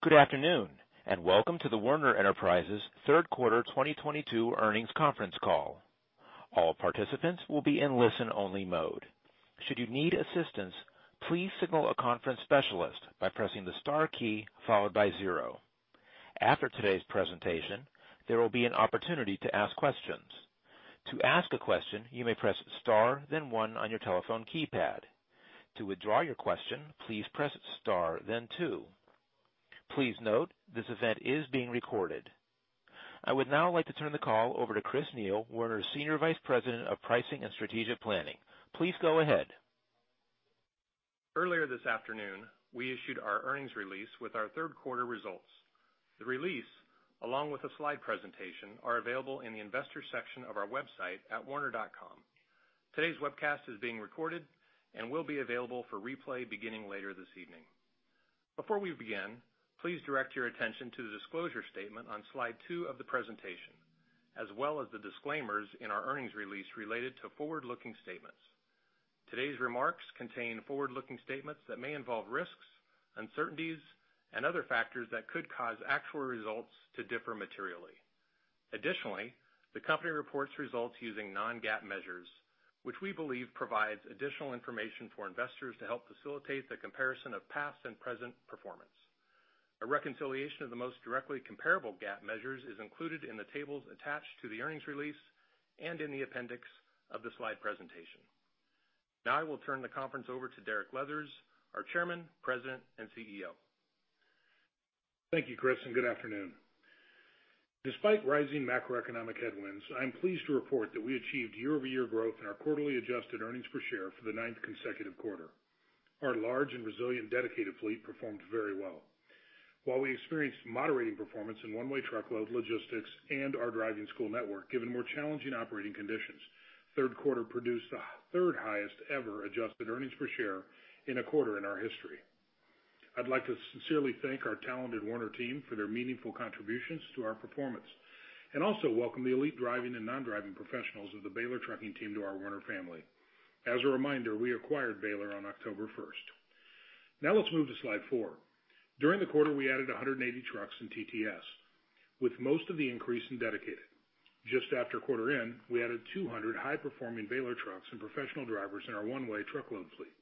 Good afternoon, and welcome to the Werner Enterprises third quarter 2022 earnings conference call. All participants will be in listen-only mode. Should you need assistance, please signal a conference specialist by pressing the star key followed by zero. After today's presentation, there will be an opportunity to ask questions. To ask a question, you may press star then one on your telephone keypad. To withdraw your question, please press star then two. Please note, this event is being recorded. I would now like to turn the call over to Chris Neil, Werner's Senior Vice President of Pricing and Strategic Planning. Please go ahead. Earlier this afternoon, we issued our earnings release with our third quarter results. The release, along with a slide presentation, are available in the Investors section of our website at werner.com. Today's webcast is being recorded and will be available for replay beginning later this evening. Before we begin, please direct your attention to the disclosure statement on Slide 2 of the presentation, as well as the disclaimers in our earnings release related to forward-looking statements. Today's remarks contain forward-looking statements that may involve risks, uncertainties, and other factors that could cause actual results to differ materially. Additionally, the company reports results using non-GAAP measures, which we believe provides additional information for investors to help facilitate the comparison of past and present performance. A reconciliation of the most directly comparable GAAP measures is included in the tables attached to the earnings release and in the appendix of the slide presentation. Now I will turn the conference over to Derek Leathers, our Chairman, President, and CEO. Thank you, Chris, and good afternoon. Despite rising macroeconomic headwinds, I'm pleased to report that we achieved year-over-year growth in our quarterly adjusted earnings per share for the ninth consecutive quarter. Our large and resilient Dedicated fleet performed very well. While we experienced moderating performance in One-Way Truckload Logistics and our driving school network, given more challenging operating conditions, third quarter produced the third-highest ever adjusted earnings per share in a quarter in our history. I'd like to sincerely thank our talented Werner team for their meaningful contributions to our performance and also welcome the elite driving and non-driving professionals of the Baylor Trucking team to our Werner family. As a reminder, we acquired Baylor on October 1st. Now let's move to Slide 4. During the quarter, we added 180 trucks in TTS, with most of the increase in Dedicated. Just after quarter end, we added 200 high-performing Baylor trucks and professional drivers in our One-Way Truckload fleet.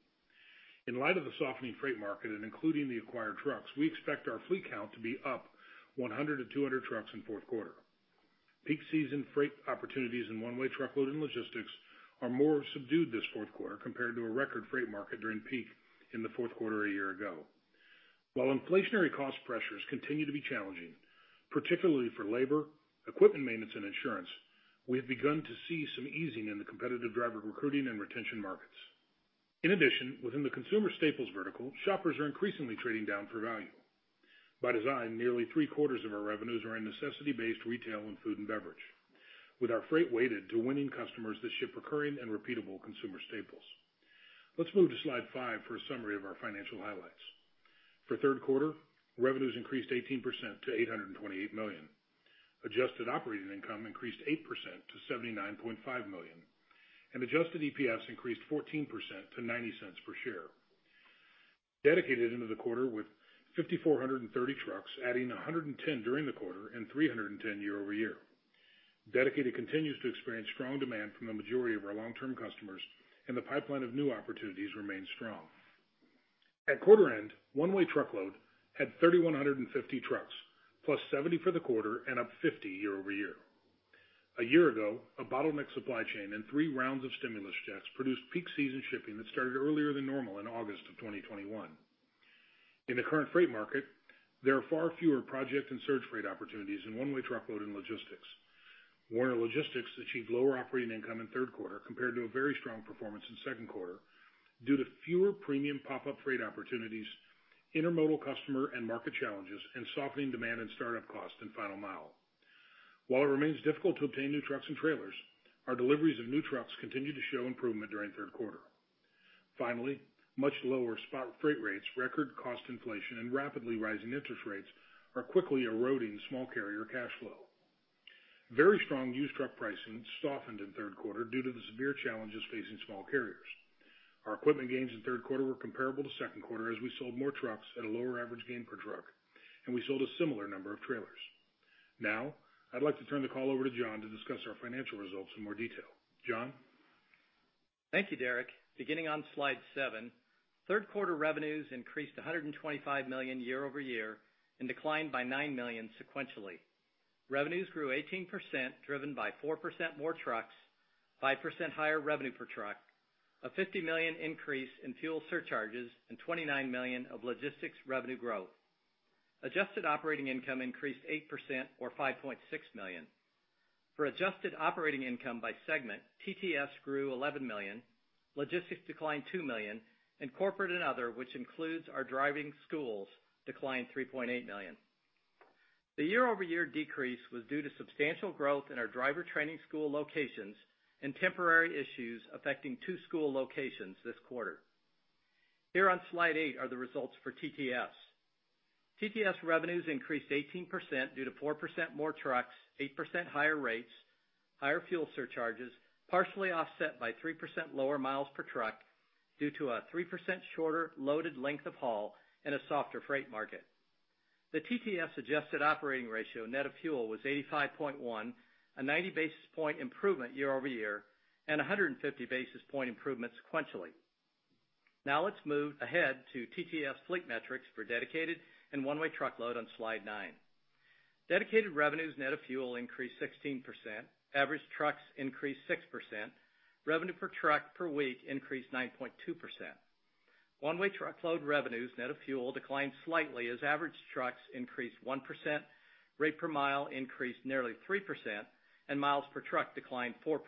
In light of the softening freight market and including the acquired trucks, we expect our fleet count to be up 100-200 trucks in fourth quarter. Peak season freight opportunities in One-Way Truckload and Logistics are more subdued this fourth quarter compared to a record freight market during peak in the fourth quarter a year ago. While inflationary cost pressures continue to be challenging, particularly for labor, equipment maintenance, and insurance, we have begun to see some easing in the competitive driver recruiting and retention markets. In addition, within the consumer staples vertical, shoppers are increasingly trading down for value. By design, nearly 3/4 of our revenues are in necessity-based retail and food and beverage, with our freight weighted to winning customers that ship recurring and repeatable consumer staples. Let's move to Slide 5 for a summary of our financial highlights. For third quarter, revenues increased 18% to $828 million. Adjusted operating income increased 8% to $79.5 million, and adjusted EPS increased 14% to $0.90 per share. Dedicated into the quarter with 5,430 trucks, adding 110 during the quarter and 310 year-over-year. Dedicated continues to experience strong demand from the majority of our long-term customers, and the pipeline of new opportunities remains strong. At quarter end, One-Way Truckload had 3,150 trucks, plus 70 for the quarter and up 50 year-over-year. A year ago, a bottlenecked supply chain and three rounds of stimulus checks produced peak season shipping that started earlier than normal in August 2021. In the current freight market, there are far fewer project and surge freight opportunities in One-Way Truckload and Logistics. Werner Logistics achieved lower operating income in third quarter compared to a very strong performance in second quarter due to fewer premium pop-up freight opportunities, Intermodal customer and market challenges, and softening demand and startup costs in final mile. While it remains difficult to obtain new trucks and trailers, our deliveries of new trucks continued to show improvement during third quarter. Finally, much lower spot freight rates, record cost inflation, and rapidly rising interest rates are quickly eroding small carrier cash flow. Very strong used truck pricing softened in third quarter due to the severe challenges facing small carriers. Our equipment gains in third quarter were comparable to second quarter as we sold more trucks at a lower average gain per truck, and we sold a similar number of trailers. Now, I'd like to turn the call over to John to discuss our financial results in more detail. John? Thank you, Derek. Beginning on Slide 7, third quarter revenues increased $125 million year-over-year and declined by $9 million sequentially. Revenues grew 18%, driven by 4% more trucks, 5% higher revenue per truck, a $50 million increase in fuel surcharges, and $29 million of logistics revenue growth. Adjusted operating income increased 8% or $5.6 million. For adjusted operating income by segment, TTS grew $11 million, Logistics declined $2 million, and Corporate and Other, which includes our driving schools, declined $3.8 million. The year-over-year decrease was due to substantial growth in our driver training school locations and temporary issues affecting two school locations this quarter. Here on Slide 8 are the results for TTS. TTS revenues increased 18% due to 4% more trucks, 8% higher rates. Higher fuel surcharges partially offset by 3% lower miles per truck due to a 3% shorter loaded length of haul and a softer freight market. The TTS adjusted operating ratio net of fuel was 85.1, a 90 basis point improvement year-over-year, and a 150 basis point improvement sequentially. Now let's move ahead to TTS fleet metrics for Dedicated and One-Way Truckload on Slide 9. Dedicated revenues net of fuel increased 16%. Average trucks increased 6%. Revenue per truck per week increased 9.2%. One-way truckload revenues net of fuel declined slightly as average trucks increased 1%, rate per mile increased nearly 3%, and miles per truck declined 4%.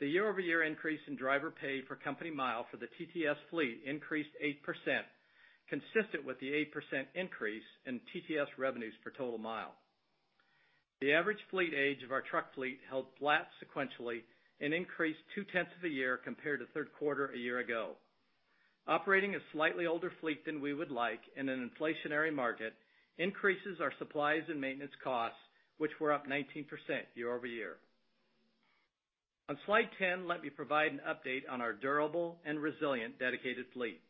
The year-over-year increase in driver pay per company mile for the TTS fleet increased 8%, consistent with the 8% increase in TTS revenues per total mile. The average fleet age of our truck fleet held flat sequentially and increased 2/10 of a year compared to third quarter a year ago. Operating a slightly older fleet than we would like in an inflationary market increases our supplies and maintenance costs, which were up 19% year-over-year. On Slide 10, let me provide an update on our durable and resilient Dedicated fleet.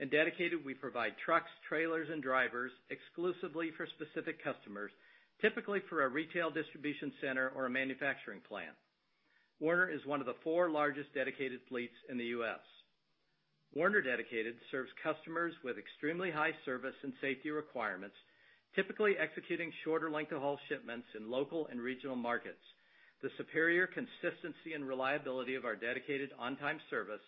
In Dedicated, we provide trucks, trailers and drivers exclusively for specific customers, typically for a retail distribution center or a manufacturing plant. Werner is one of the four largest Dedicated fleets in the U.S. Werner Dedicated serves customers with extremely high service and safety requirements, typically executing shorter length of haul shipments in local and regional markets. The superior consistency and reliability of our Dedicated on-time service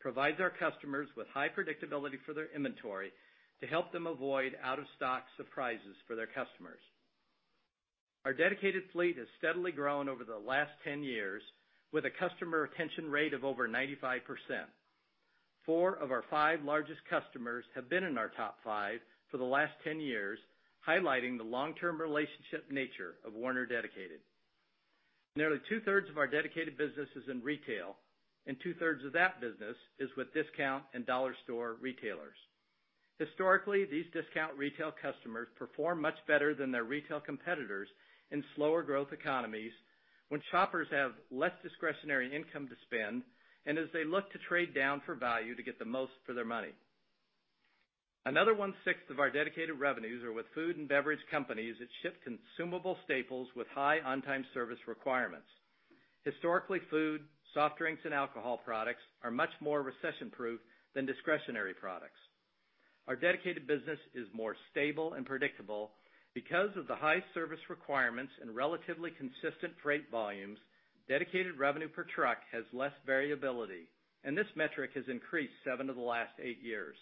provides our customers with high predictability for their inventory to help them avoid out-of-stock surprises for their customers. Our Dedicated fleet has steadily grown over the last 10 years with a customer retention rate of over 95%. Four of our five largest customers have been in our top five for the last 10 years, highlighting the long-term relationship nature of Werner Dedicated. Nearly 2/3 of our Dedicated business is in retail, and 2/3 of that business is with discount and dollar store retailers. Historically, these discount retail customers perform much better than their retail competitors in slower growth economies when shoppers have less discretionary income to spend, and as they look to trade down for value to get the most for their money. Another 1/6 of our Dedicated revenues are with food and beverage companies that ship consumable staples with high on-time service requirements. Historically, food, soft drinks and alcohol products are much more recession-proof than discretionary products. Our Dedicated business is more stable and predictable. Because of the high service requirements and relatively consistent freight volumes, Dedicated revenue per truck has less variability, and this metric has increased seven of the last eight years.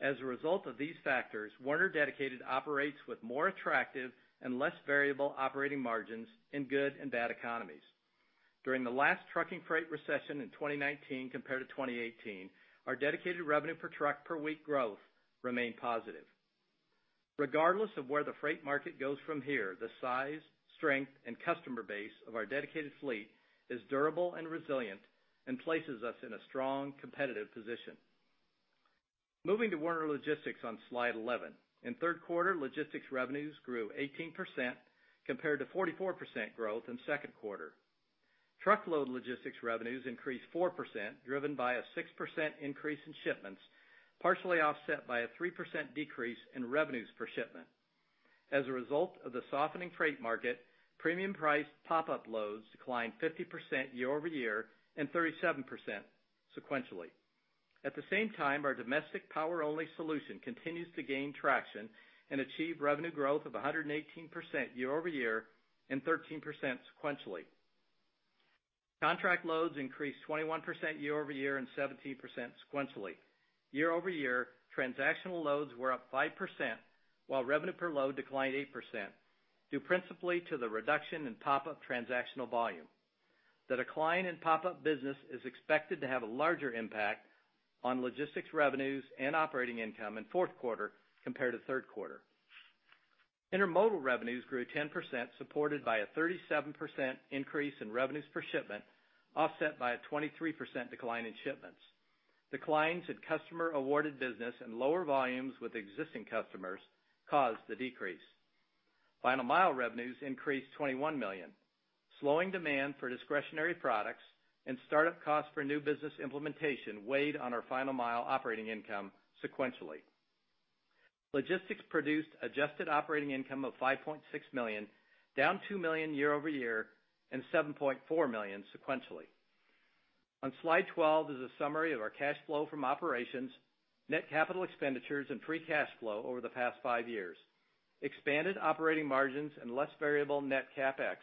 As a result of these factors, Werner Dedicated operates with more attractive and less variable operating margins in good and bad economies. During the last trucking freight recession in 2019 compared to 2018, our Dedicated revenue per truck per week growth remained positive. Regardless of where the freight market goes from here, the size, strength, and customer base of our Dedicated fleet is durable and resilient and places us in a strong competitive position. Moving to Werner Logistics on Slide 11. In third quarter, Logistics revenues grew 18% compared to 44% growth in second quarter. Truckload Logistics revenues increased 4%, driven by a 6% increase in shipments, partially offset by a 3% decrease in revenues per shipment. As a result of the softening freight market, premium price pop-up loads declined 50% year-over-year and 37% sequentially. At the same time, our domestic power-only solution continues to gain traction and achieve revenue growth of 118% year-over-year and 13% sequentially. Contract loads increased 21% year-over-year and 17% sequentially. Year-over-year, transactional loads were up 5%, while revenue per load declined 8%, due principally to the reduction in pop-up transactional volume. The decline in pop-up business is expected to have a larger impact on Logistics revenues and operating income in fourth quarter compared to third quarter. Intermodal revenues grew 10%, supported by a 37% increase in revenues per shipment, offset by a 23% decline in shipments. Declines in customer-awarded business and lower volumes with existing customers caused the decrease. Final Mile revenues increased $21 million. Slowing demand for discretionary products and start-up costs for new business implementation weighed on our Final Mile operating income sequentially. Logistics produced adjusted operating income of $5.6 million, down $2 million year-over-year and $7.4 million sequentially. On Slide 12 is a summary of our cash flow from operations, net capital expenditures, and free cash flow over the past five years. Expanded operating margins and less variable net CapEx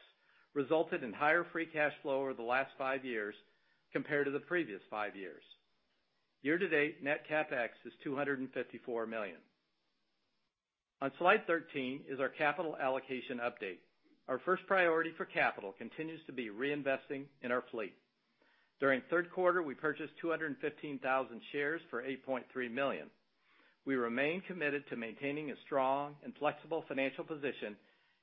resulted in higher free cash flow over the last five years compared to the previous five years. Year-to-date net CapEx is $254 million. On Slide 13 is our capital allocation update. Our first priority for capital continues to be reinvesting in our fleet. During third quarter, we purchased 215,000 shares for $8.3 million. We remain committed to maintaining a strong and flexible financial position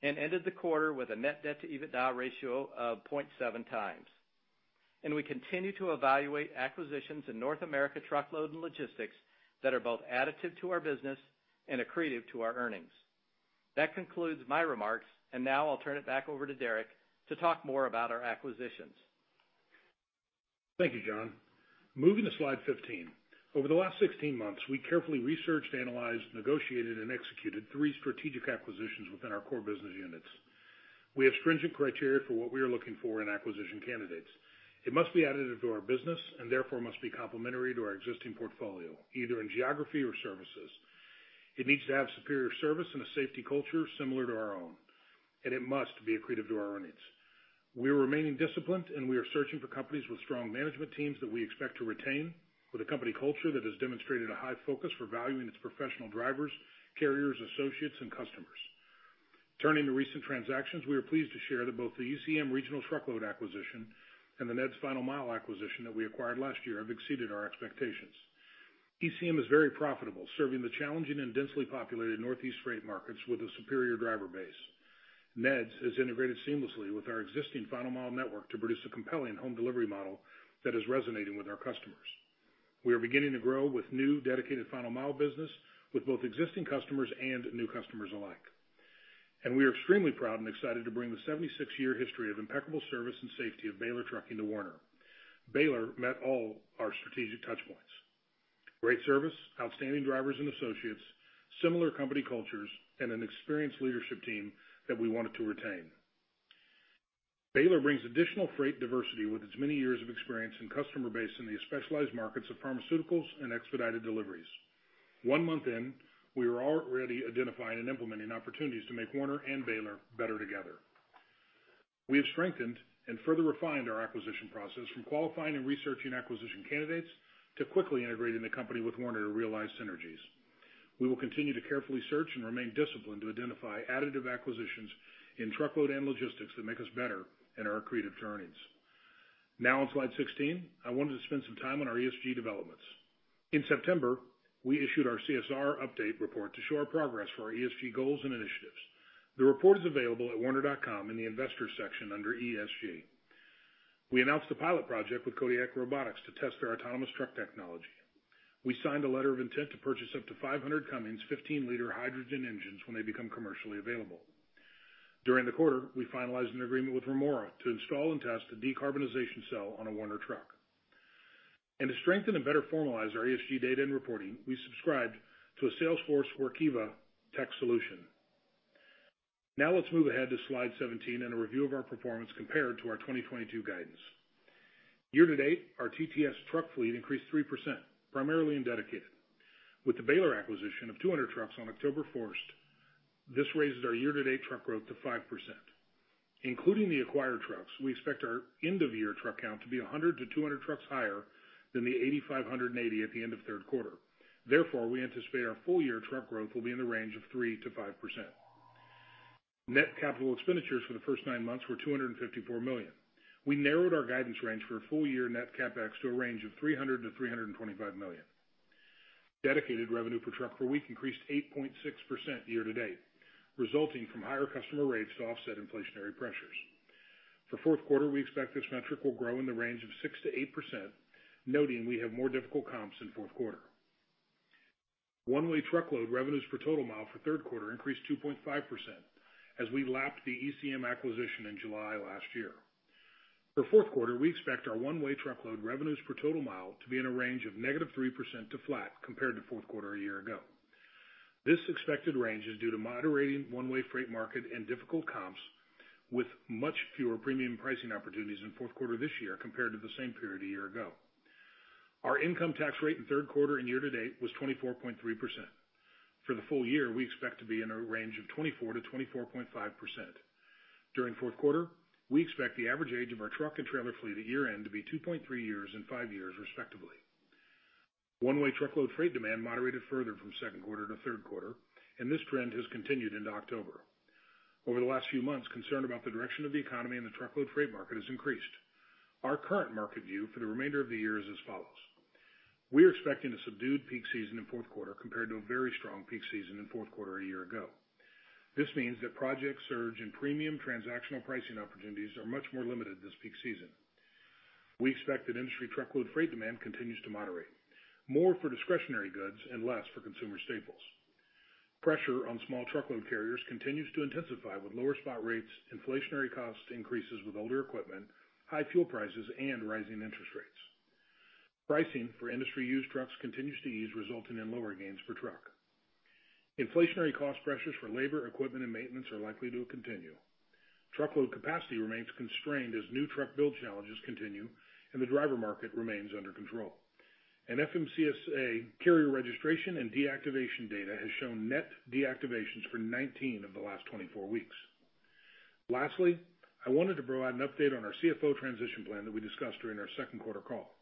and ended the quarter with a net debt-to-EBITDA ratio of 0.7x. We continue to evaluate acquisitions in North America truckload and logistics that are both additive to our business and accretive to our earnings. That concludes my remarks, and now I'll turn it back over to Derek to talk more about our acquisitions. Thank you, John. Moving to Slide 15. Over the last 16 months, we carefully researched, analyzed, negotiated, and executed three strategic acquisitions within our core business units. We have stringent criteria for what we are looking for in acquisition candidates. It must be additive to our business and therefore must be complementary to our existing portfolio, either in geography or services. It needs to have superior service and a safety culture similar to our own, and it must be accretive to our earnings. We are remaining disciplined, and we are searching for companies with strong management teams that we expect to retain, with a company culture that has demonstrated a high focus for valuing its professional drivers, carriers, associates, and customers. Turning to recent transactions, we are pleased to share that both the ECM regional truckload acquisition and the NEHDS final mile acquisition that we acquired last year have exceeded our expectations. ECM is very profitable, serving the challenging and densely populated Northeast freight markets with a superior driver base. NEHDS has integrated seamlessly with our existing final mile network to produce a compelling home delivery model that is resonating with our customers. We are beginning to grow with new dedicated Final Mile business with both existing customers and new customers alike. We are extremely proud and excited to bring the 76-year history of impeccable service and safety of Baylor Trucking to Werner. Baylor met all our strategic touch points, great service, outstanding drivers and associates, similar company cultures, and an experienced leadership team that we wanted to retain. Baylor brings additional freight diversity with its many years of experience and customer base in the specialized markets of pharmaceuticals and expedited deliveries. One month in, we are already identifying and implementing opportunities to make Werner and Baylor better together. We have strengthened and further refined our acquisition process from qualifying and researching acquisition candidates to quickly integrating the company with Werner to realize synergies. We will continue to carefully search and remain disciplined to identify additive acquisitions in truckload and logistics that make us better and are accretive to earnings. Now on Slide 16, I wanted to spend some time on our ESG developments. In September, we issued our CSR Update Report to show our progress for our ESG goals and initiatives. The report is available at werner.com in the Investor section under ESG. We announced a pilot project with Kodiak Robotics to test their autonomous truck technology. We signed a letter of intent to purchase up to 500 Cummins 15-L hydrogen engines when they become commercially available. During the quarter, we finalized an agreement with Remora to install and test a decarbonization cell on a Werner truck. To strengthen and better formalize our ESG data and reporting, we subscribed to a Salesforce Workiva tech solution. Now let's move ahead to Slide 17 and a review of our performance compared to our 2022 guidance. Year-to-date, our TTS truck fleet increased 3%, primarily in Dedicated. With the Baylor acquisition of 200 trucks on October 1st, this raises our year-to-date truck growth to 5%. Including the acquired trucks, we expect our end-of-year truck count to be 100-200 trucks higher than the 8,580 at the end of third quarter. Therefore, we anticipate our full-year truck growth will be in the range of 3%-5%. Net capital expenditures for the first nine months were $254 million. We narrowed our guidance range for a full year net CapEx to a range of $300 million-$325 million. Dedicated revenue per truck per week increased 8.6% year-to-date, resulting from higher customer rates to offset inflationary pressures. For fourth quarter, we expect this metric will grow in the range of 6%-8%, noting we have more difficult comps in fourth quarter. One-Way Truckload revenues per total mile for third quarter increased 2.5% as we lapped the ECM acquisition in July last year. For fourth quarter, we expect our One-Way Truckload revenues per total mile to be in a range of -3% to flat compared to fourth quarter a year ago. This expected range is due to moderating One-Way freight market and difficult comps with much fewer premium pricing opportunities in fourth quarter this year compared to the same period a year ago. Our income tax rate in third quarter and year-to-date was 24.3%. For the full year, we expect to be in a range of 24%-24.5%. During fourth quarter, we expect the average age of our truck and trailer fleet at year-end to be 2.3 years and five years respectively. One-Way Truckload freight demand moderated further from second quarter to third quarter, and this trend has continued into October. Over the last few months, concern about the direction of the economy and the truckload freight market has increased. Our current market view for the remainder of the year is as follows. We are expecting a subdued peak season in fourth quarter compared to a very strong peak season in fourth quarter a year ago. This means that project surge and premium transactional pricing opportunities are much more limited this peak season. We expect that industry truckload freight demand continues to moderate, more for discretionary goods and less for consumer staples. Pressure on small truckload carriers continues to intensify with lower spot rates, inflationary cost increases with older equipment, high fuel prices, and rising interest rates. Pricing for industry-used trucks continues to ease, resulting in lower gains per truck. Inflationary cost pressures for labor, equipment, and maintenance are likely to continue. Truckload capacity remains constrained as new truck build challenges continue and the driver market remains under control. FMCSA carrier registration and deactivation data has shown net deactivations for 19 of the last 24 weeks. Lastly, I wanted to provide an update on our CFO transition plan that we discussed during our second quarter call.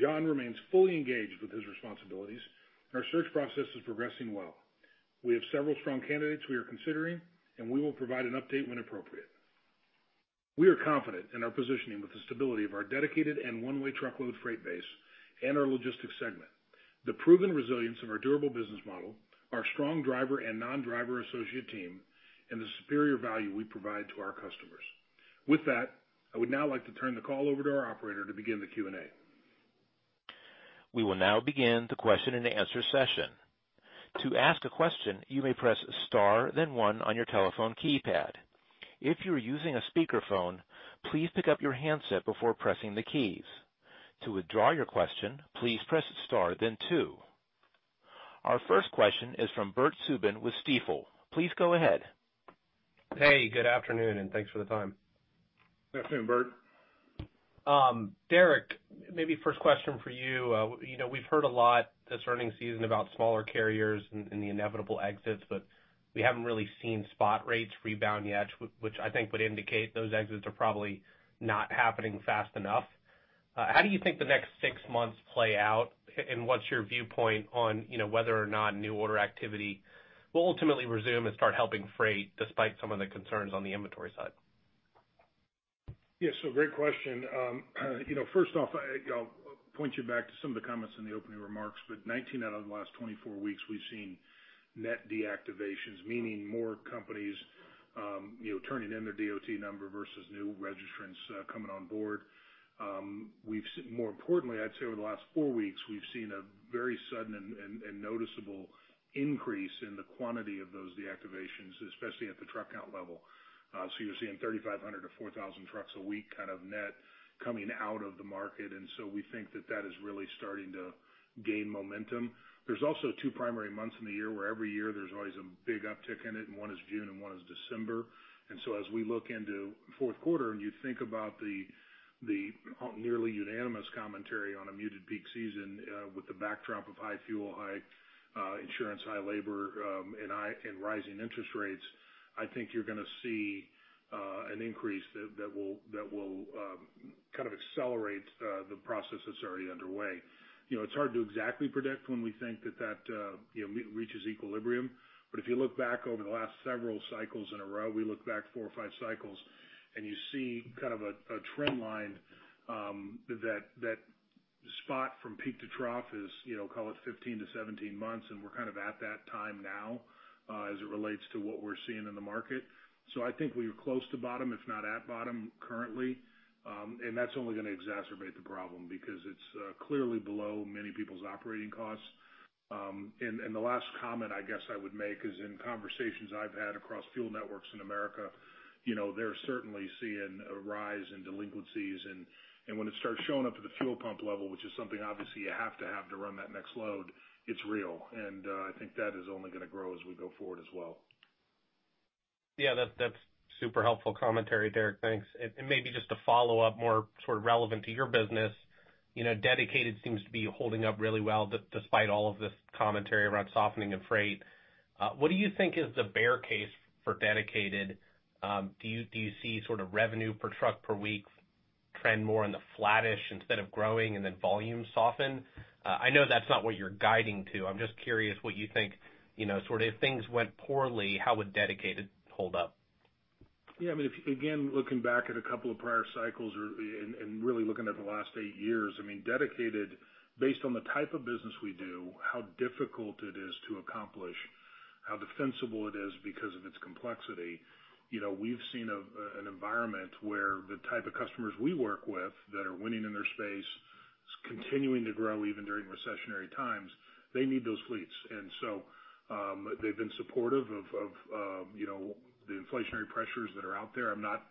John remains fully engaged with his responsibilities, and our search process is progressing well. We have several strong candidates we are considering, and we will provide an update when appropriate. We are confident in our positioning with the stability of our Dedicated and One-Way Truckload freight base and our Logistics segment. The proven resilience of our durable business model, our strong driver and non-driver associate team, and the superior value we provide to our customers. With that, I would now like to turn the call over to our operator to begin the Q&A. We will now begin the question-and-answer session. To ask a question, you may press star then one on your telephone keypad. If you are using a speakerphone, please pick up your handset before pressing the keys. To withdraw your question, please press star then two. Our first question is from Bert Subin with Stifel. Please go ahead. Hey, good afternoon, and thanks for the time. Good afternoon, Bert. Derek, maybe first question for you. You know, we've heard a lot this earnings season about smaller carriers and the inevitable exits, but we haven't really seen spot rates rebound yet, which I think would indicate those exits are probably not happening fast enough. How do you think the next six months play out and what's your viewpoint on, you know, whether or not new order activity will ultimately resume and start helping freight despite some of the concerns on the inventory side? Yes, great question. You know, first off, I you know point you back to some of the comments in the opening remarks, 19 out of the last 24 weeks we've seen net deactivations, meaning more companies, you know, turning in their DOT number versus new registrants, coming on board. More importantly, I'd say over the last four weeks, we've seen a very sudden and noticeable increase in the quantity of those deactivations, especially at the truck count level. So you're seeing 3,500-4,000 trucks a week kind of net coming out of the market, and we think that that is really starting to gain momentum. There's also two primary months in the year where every year there's always a big uptick in it, and one is June and one is December. As we look into fourth quarter and you think about the nearly unanimous commentary on a muted peak season, with the backdrop of high fuel, high insurance, high labor, and rising interest rates, I think you're gonna see an increase that will kind of accelerate the process that's already underway. You know, it's hard to exactly predict when we think that you know reaches equilibrium, but if you look back over the last several cycles in a row, we look back four or five cycles and you see kind of a trend line that spot from peak to trough is, you know, call it 15-17 months, and we're kind of at that time now as it relates to what we're seeing in the market. I think we're close to bottom, if not at bottom currently, and that's only gonna exacerbate the problem because it's clearly below many people's operating costs. The last comment I guess I would make is in conversations I've had across fuel networks in America, you know, they're certainly seeing a rise in delinquencies and when it starts showing up at the fuel pump level, which is something obviously you have to have to run that next load, it's real. I think that is only gonna grow as we go forward as well. Yeah, that's super helpful commentary, Derek. Thanks. Maybe just to follow up more sort of relevant to your business, you know, Dedicated seems to be holding up really well despite all of this commentary around softening of freight. What do you think is the bear case for Dedicated? Do you see sort of revenue per truck per week trend more in the flattish instead of growing and then volume soften? I know that's not what you're guiding to. I'm just curious what you think, you know, sort of if things went poorly, how would Dedicated hold up? Yeah, I mean, if you begin looking back at a couple of prior cycles or and really looking at the last eight years, I mean, Dedicated based on the type of business we do, how difficult it is to accomplish, how defensible it is because of its complexity, you know, we've seen an environment where the type of customers we work with that are winning in their space is continuing to grow even during recessionary times. They need those fleets. They've been supportive of you know, the inflationary pressures that are out there. I'm not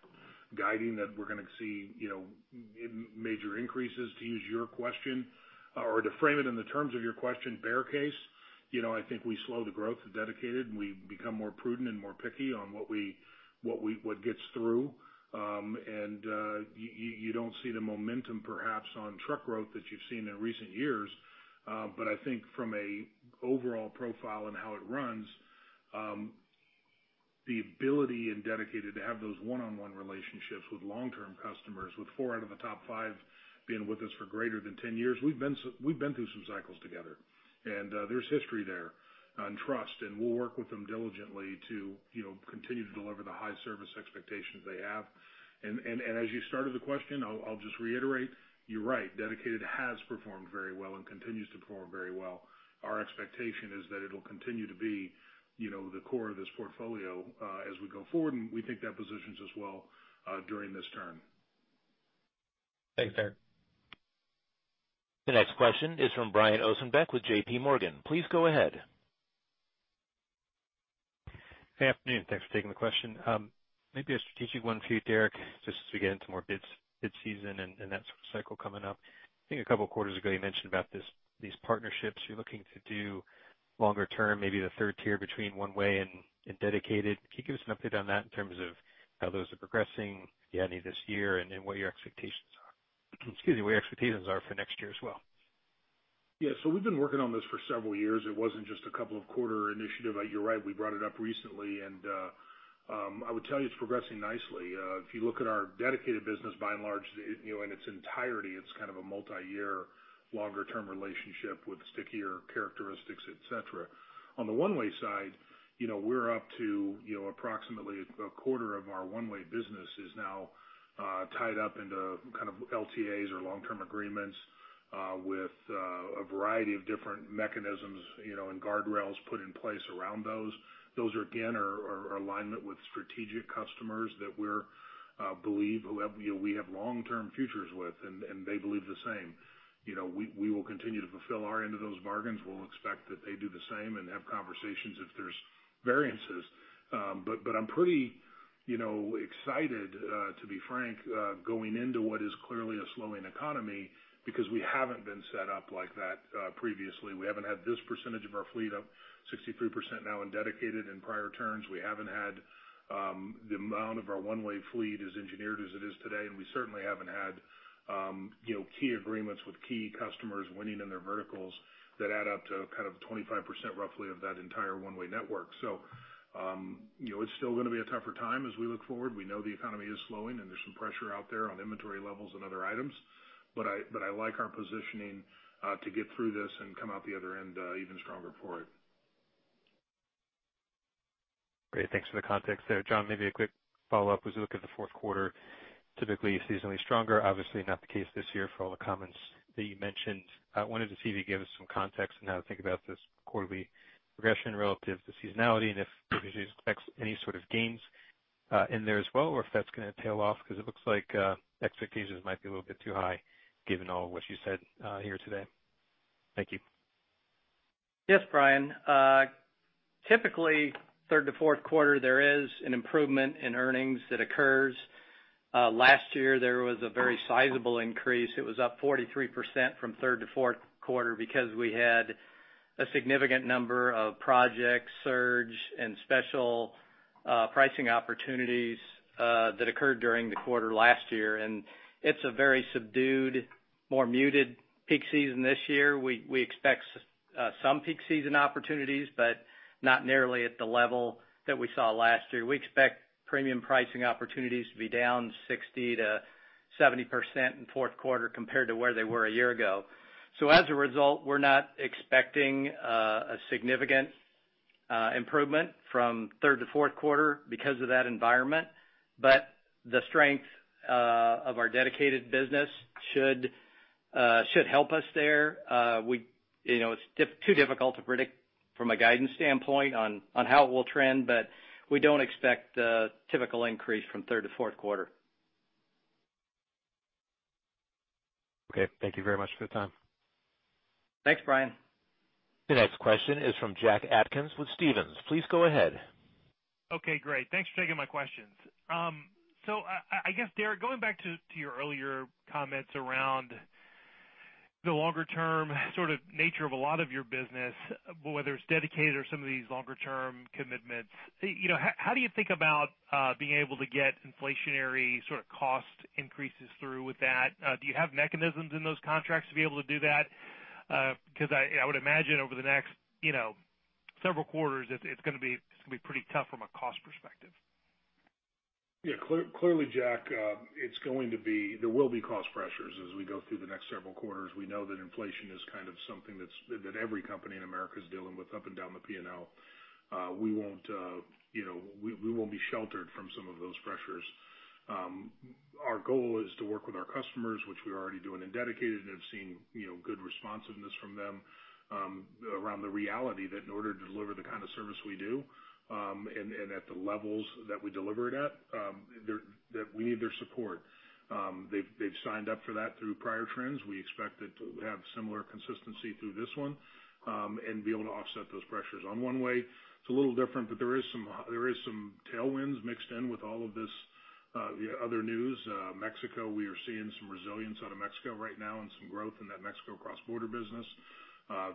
guiding that we're gonna see, you know, major increases, to use your question. To frame it in the terms of your question, bear case, you know, I think we slow the growth of Dedicated, and we become more prudent and more picky on what gets through. You don't see the momentum perhaps on truck growth that you've seen in recent years. I think from an overall profile on how it runs, the ability in Dedicated to have those one-on-one relationships with long-term customers, with four out of the top five being with us for greater than 10 years, we've been through some cycles together. There's history there, and trust, and we'll work with them diligently to, you know, continue to deliver the high service expectations they have. As you started the question, I'll just reiterate, you're right, Dedicated has performed very well and continues to perform very well. Our expectation is that it'll continue to be, you know, the core of this portfolio, as we go forward, and we think that positions us well, during this turn. Thanks, Derek. The next question is from Brian Ossenbeck with JPMorgan. Please go ahead. Good afternoon. Thanks for taking the question. Maybe a strategic one for you, Derek, just as we get into more bids, bid season and that sort of cycle coming up. I think a couple of quarters ago you mentioned about this, these partnerships you're looking to do longer term, maybe the third tier between One-Way and Dedicated. Can you give us an update on that in terms of how those are progressing early this year and then what your expectations are for next year as well? Yeah. We've been working on this for several years. It wasn't just a couple of quarters initiative. You're right, we brought it up recently, and I would tell you it's progressing nicely. If you look at our Dedicated business by and large, you know, in its entirety, it's kind of a multi-year longer-term relationship with stickier characteristics, et cetera. On the One-Way side, you know, we're up to approximately 1/4 of our One-Way business is now tied up into kind of LTAs or long-term agreements with a variety of different mechanisms, you know, and guardrails put in place around those. Those are again in alignment with strategic customers that we believe we have, you know, we have long-term futures with, and they believe the same. You know, we will continue to fulfill our end of those bargains. We'll expect that they do the same and have conversations if there's variances. But I'm pretty, you know, excited, to be frank, going into what is clearly a slowing economy because we haven't been set up like that, previously. We haven't had this percentage of our fleet up 63% now in Dedicated in prior terms. We haven't had the amount of our One-Way fleet as engineered as it is today, and we certainly haven't had, you know, key agreements with key customers winning in their verticals that add up to kind of 25% roughly of that entire One-Way network. You know, it's still gonna be a tougher time as we look forward. We know the economy is slowing, and there's some pressure out there on inventory levels and other items. I like our positioning to get through this and come out the other end even stronger for it. Great. Thanks for the context there. John, maybe a quick follow-up. As we look at the fourth quarter, typically seasonally stronger, obviously not the case this year for all the comments that you mentioned. I wanted to see if you could give us some context on how to think about this quarterly progression relative to seasonality and if maybe you expect any sort of gains in there as well, or if that's gonna tail off because it looks like expenses might be a little bit too high given all what you said here today. Thank you. Yes, Brian. Typically third to fourth quarter there is an improvement in earnings that occurs. Last year there was a very sizable increase. It was up 43% from third to fourth quarter because we had a significant number of projects, surge, and special pricing opportunities that occurred during the quarter last year. It's a very subdued, more muted peak season this year. We expect some peak season opportunities, but not nearly at the level that we saw last year. We expect premium pricing opportunities to be down 60%-70% in fourth quarter compared to where they were a year ago. As a result, we're not expecting a significant improvement from third to fourth quarter because of that environment. The strength of our Dedicated business should help us there. We, you know, it's too difficult to predict from a guidance standpoint on how it will trend, but we don't expect a typical increase from third to fourth quarter. Okay. Thank you very much for the time. Thanks, Brian. The next question is from Jack Atkins with Stephens. Please go ahead. Okay, great. Thanks for taking my questions. So I guess, Derek, going back to your earlier comments around the longer term sort of nature of a lot of your business, whether it's Dedicated or some of these longer term commitments, you know, how do you think about being able to get inflationary sort of cost increases through with that? Do you have mechanisms in those contracts to be able to do that? 'Cause I would imagine over the next, you know, several quarters, it's gonna be pretty tough from a cost perspective. Yeah. Clearly, Jack, it's going to be. There will be cost pressures as we go through the next several quarters. We know that inflation is kind of something that's every company in America is dealing with up and down the P&L. We won't be sheltered from some of those pressures. Our goal is to work with our customers, which we're already doing in Dedicated and have seen, you know, good responsiveness from them around the reality that in order to deliver the kind of service we do and at the levels that we deliver it at, that we need their support. They've signed up for that through prior trends. We expect it to have similar consistency through this one and be able to offset those pressures. On One-Way, it's a little different, but there is some tailwinds mixed in with all of this other news. Mexico, we are seeing some resilience out of Mexico right now and some growth in that Mexico cross-border business.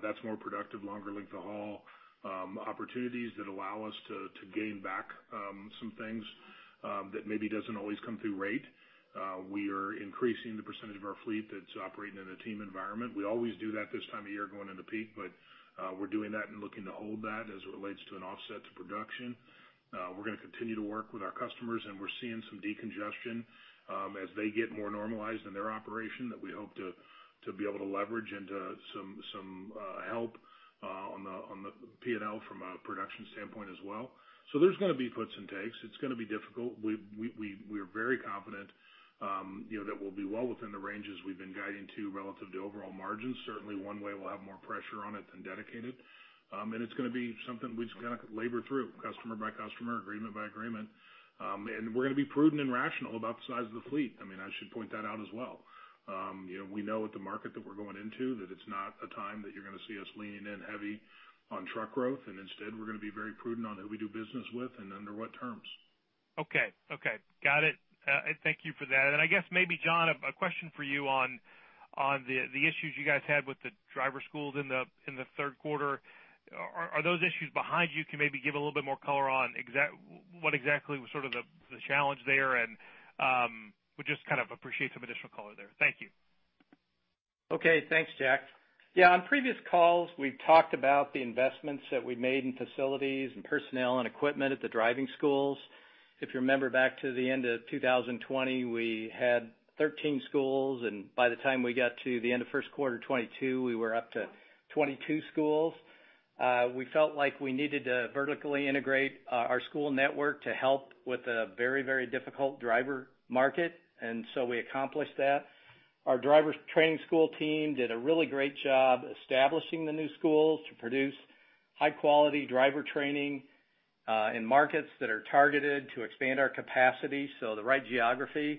That's more productive, longer length of haul. Opportunities that allow us to gain back some things that maybe doesn't always come through rate. We are increasing the percentage of our fleet that's operating in a team environment. We always do that this time of year going into peak, but we're doing that and looking to hold that as it relates to an offset to production. We're gonna continue to work with our customers, and we're seeing some decongestion as they get more normalized in their operation that we hope to be able to leverage into some help on the P&L from a production standpoint as well. There's gonna be puts and takes. It's gonna be difficult. We're very confident, you know, that we'll be well within the ranges we've been guiding to relative to overall margins. Certainly, One-Way we'll have more pressure on it than Dedicated. It's gonna be something we just gotta labor through customer by customer, agreement by agreement. We're gonna be prudent and rational about the size of the fleet. I mean, I should point that out as well. You know, we know with the market that we're going into that it's not a time that you're gonna see us leaning in heavy on truck growth, and instead we're gonna be very prudent on who we do business with and under what terms. Okay. Okay. Got it. Thank you for that. I guess maybe, John, a question for you on the issues you guys had with the driver schools in the third quarter. Are those issues behind you? Can you maybe give a little bit more color on what exactly was sort of the challenge there? I would just kind of appreciate some additional color there. Thank you. Okay. Thanks, Jack. Yeah, on previous calls, we've talked about the investments that we made in facilities and personnel and equipment at the driving schools. If you remember back to the end of 2020, we had 13 schools, and by the time we got to the end of first quarter 2022, we were up to 22 schools. We felt like we needed to vertically integrate our school network to help with the very, very difficult driver market, and so we accomplished that. Our driver training school team did a really great job establishing the new schools to produce high-quality driver training, in markets that are targeted to expand our capacity, so the right geography.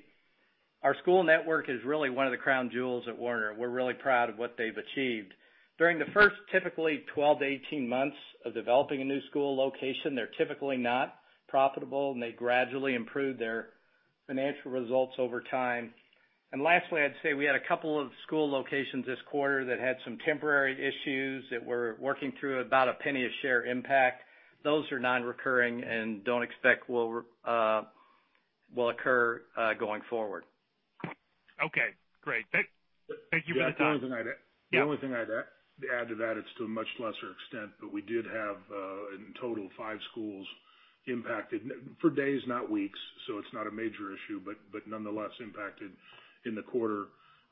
Our school network is really one of the crown jewels at Werner. We're really proud of what they've achieved. During the first typically 12-18 months of developing a new school location, they're typically not profitable, and they gradually improve their financial results over time. Lastly, I'd say we had a couple of school locations this quarter that had some temporary issues that we're working through about $0.01 a share impact. Those are non-recurring and don't expect will recur going forward. Okay, great. Thank you for your time. The only thing I'd add. Yeah. The only thing I'd add to that, it's to a much lesser extent, but we did have, in total, five schools impacted for days, not weeks, so it's not a major issue, but nonetheless impacted in the quarter,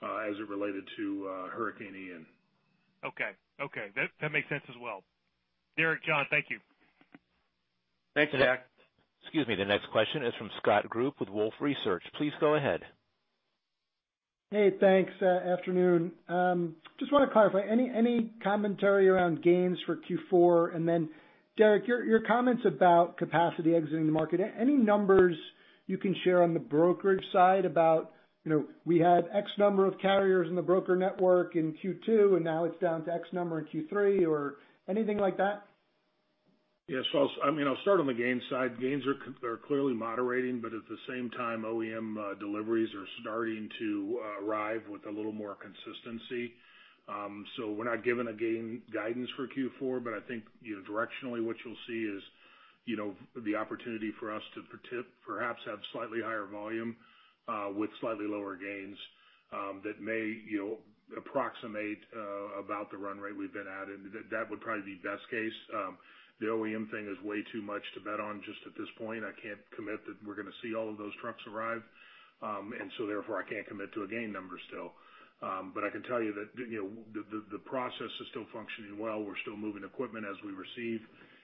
as it related to Hurricane Ian. Okay. That makes sense as well. Derek, John, thank you. Thanks, Jack. Excuse me. The next question is from Scott Group with Wolfe Research. Please go ahead. Hey, thanks. Afternoon. Just wanna clarify. Any commentary around gains for Q4? Then Derek, your comments about capacity exiting the market, any numbers you can share on the brokerage side about, you know, we had X number of carriers in the broker network in Q2, and now it's down to X number in Q3, or anything like that? Yes, I'll start on the gains side. Gains are clearly moderating, but at the same time, OEM deliveries are starting to arrive with a little more consistency. We're not given a gain guidance for Q4, but I think, you know, directionally, what you'll see is, you know, the opportunity for us to perhaps have slightly higher volume with slightly lower gains that may, you know, approximate about the run rate we've been at. And that would probably be best case. The OEM thing is way too much to bet on just at this point. I can't commit that we're gonna see all of those trucks arrive. Therefore, I can't commit to a gain number still. I can tell you that, you know, the process is still functioning well. We're still moving equipment as we receive,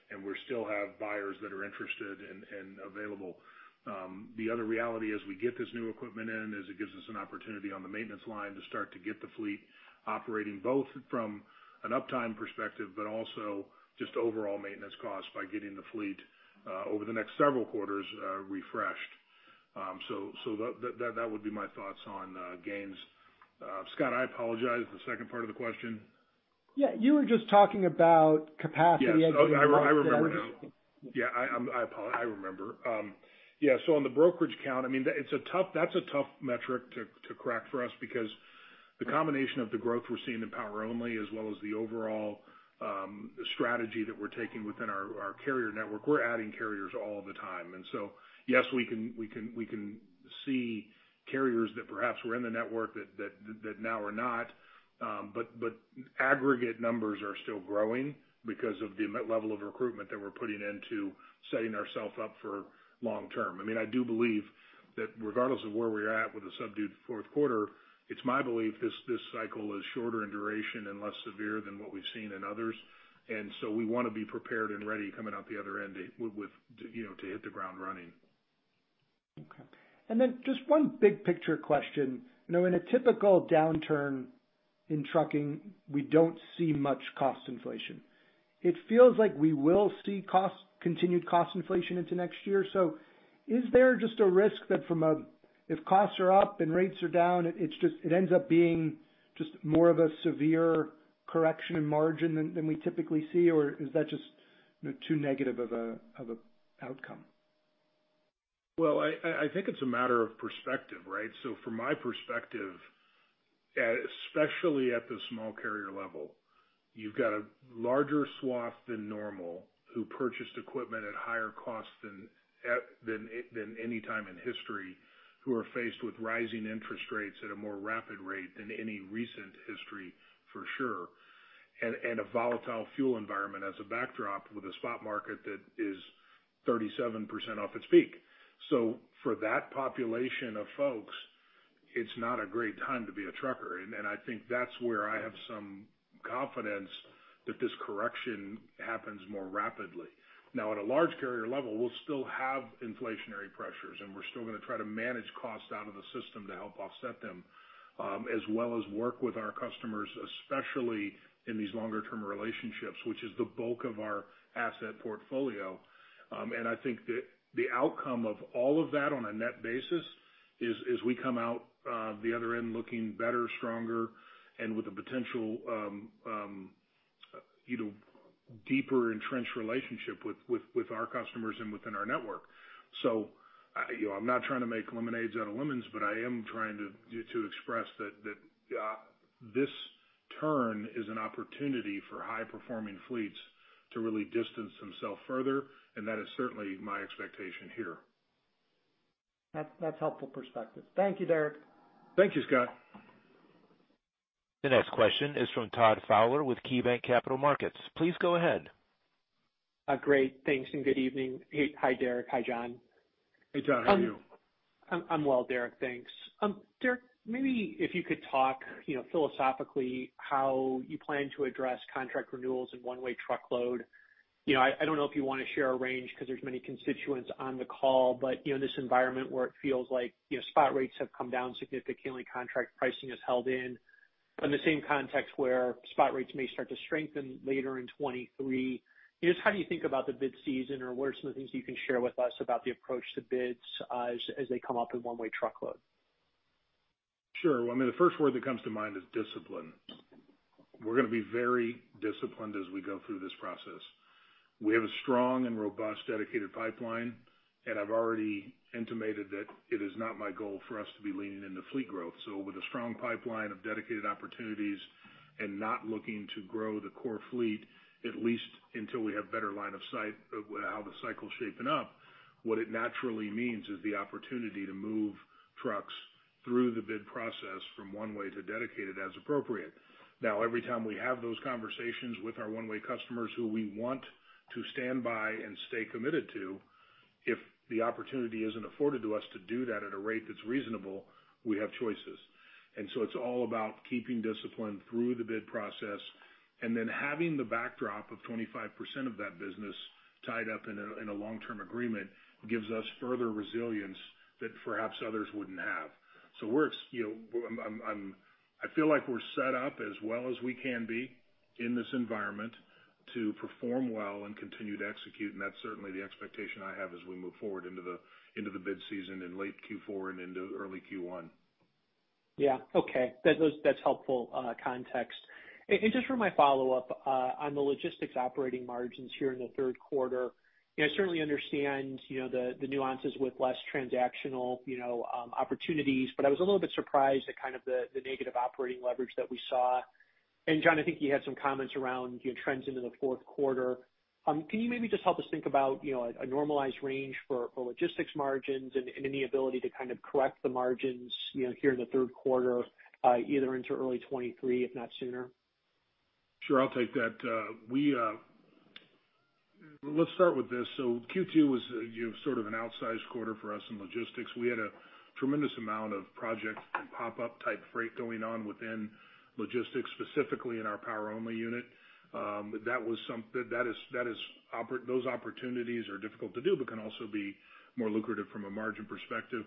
and we still have buyers that are interested and available. The other reality is we get this new equipment in. It gives us an opportunity on the maintenance line to start to get the fleet operating both from an uptime perspective, but also just overall maintenance costs by getting the fleet over the next several quarters refreshed. So that would be my thoughts on gains. Scott, I apologize, the second part of the question? Yeah, you were just talking about capacity exiting. Yes. I remember now. Yeah, I remember. Yeah, so on the brokerage count, I mean, it's a tough metric to crack for us because the combination of the growth we're seeing in power-only as well as the overall strategy that we're taking within our carrier network, we're adding carriers all the time. Yes, we can see carriers that perhaps were in the network that now are not, but aggregate numbers are still growing because of the level of recruitment that we're putting into setting ourselves up for long-term. I mean, I do believe that regardless of where we're at with the subdued fourth quarter, it's my belief this cycle is shorter in duration and less severe than what we've seen in others. We wanna be prepared and ready coming out the other end, with you know, to hit the ground running. Okay. Just one big picture question. You know, in a typical downturn in trucking, we don't see much cost inflation. It feels like we will see cost, continued cost inflation into next year. Is there just a risk that from a, if costs are up and rates are down, it's just, it ends up being just more of a severe correction in margin than we typically see, or is that just, you know, too negative of a outcome? Well, I think it's a matter of perspective, right? From my perspective, especially at the small carrier level, you've got a larger swath than normal who purchased equipment at higher cost than any time in history, who are faced with rising interest rates at a more rapid rate than any recent history, for sure. A volatile fuel environment as a backdrop with a spot market that is 37% off its peak. For that population of folks, it's not a great time to be a trucker. I think that's where I have some confidence that this correction happens more rapidly. Now, at a large carrier level, we'll still have inflationary pressures, and we're still gonna try to manage costs out of the system to help offset them, as well as work with our customers, especially in these longer term relationships, which is the bulk of our asset portfolio. I think the outcome of all of that on a net basis is we come out the other end looking better, stronger, and with a potential you know, deeper entrenched relationship with our customers and within our network. You know, I'm not trying to make lemonades out of lemons, but I am trying to express that this turn is an opportunity for high-performing fleets to really distance themselves further, and that is certainly my expectation here. That's helpful perspective. Thank you, Derek. Thank you, Scott. The next question is from Todd Fowler with KeyBanc Capital Markets. Please go ahead. Great. Thanks and good evening. Hey. Hi, Derek. Hi, John. Hey, Todd. How are you? I'm well, Derek. Thanks. Derek, maybe if you could talk, you know, philosophically how you plan to address contract renewals and One-Way Truckload. You know, I don't know if you wanna share a range because there's many constituents on the call, but, you know, in this environment where it feels like, you know, spot rates have come down significantly, contract pricing is held in the same context where spot rates may start to strengthen later in 2023, you know, just how do you think about the bid season, or what are some of the things you can share with us about the approach to bids as they come up in One-Way Truckload? Sure. Well, I mean, the first word that comes to mind is discipline. We're gonna be very disciplined as we go through this process. We have a strong and robust Dedicated pipeline, and I've already intimated that it is not my goal for us to be leaning into fleet growth. With a strong pipeline of Dedicated opportunities and not looking to grow the core fleet, at least until we have better line of sight of how the cycle's shaping up, what it naturally means is the opportunity to move trucks through the bid process from One-Way to Dedicated as appropriate. Now, every time we have those conversations with our One-Way customers who we want to stand by and stay committed to, if the opportunity isn't afforded to us to do that at a rate that's reasonable, we have choices. It's all about keeping discipline through the bid process, and then having the backdrop of 25% of that business tied up in a long-term agreement gives us further resilience that perhaps others wouldn't have. We're, you know, I feel like we're set up as well as we can be in this environment to perform well and continue to execute, and that's certainly the expectation I have as we move forward into the bid season in late Q4 and into early Q1. Yeah. Okay. That was. That's helpful context. And just for my follow-up on the Logistics operating margins here in the third quarter, you know, I certainly understand, you know, the nuances with less transactional, you know, opportunities, but I was a little bit surprised at kind of the negative operating leverage that we saw. John, I think you had some comments around, you know, trends into the fourth quarter. Can you maybe just help us think about, you know, a normalized range for Logistics margins and any ability to kind of correct the margins, you know, here in the third quarter, either into early 2023, if not sooner? Sure. I'll take that. Let's start with this. Q2 was, you know, sort of an outsized quarter for us in Logistics. We had a tremendous amount of project and pop-up type freight going on within Logistics, specifically in our power-only unit. That is, those opportunities are difficult to do but can also be more lucrative from a margin perspective.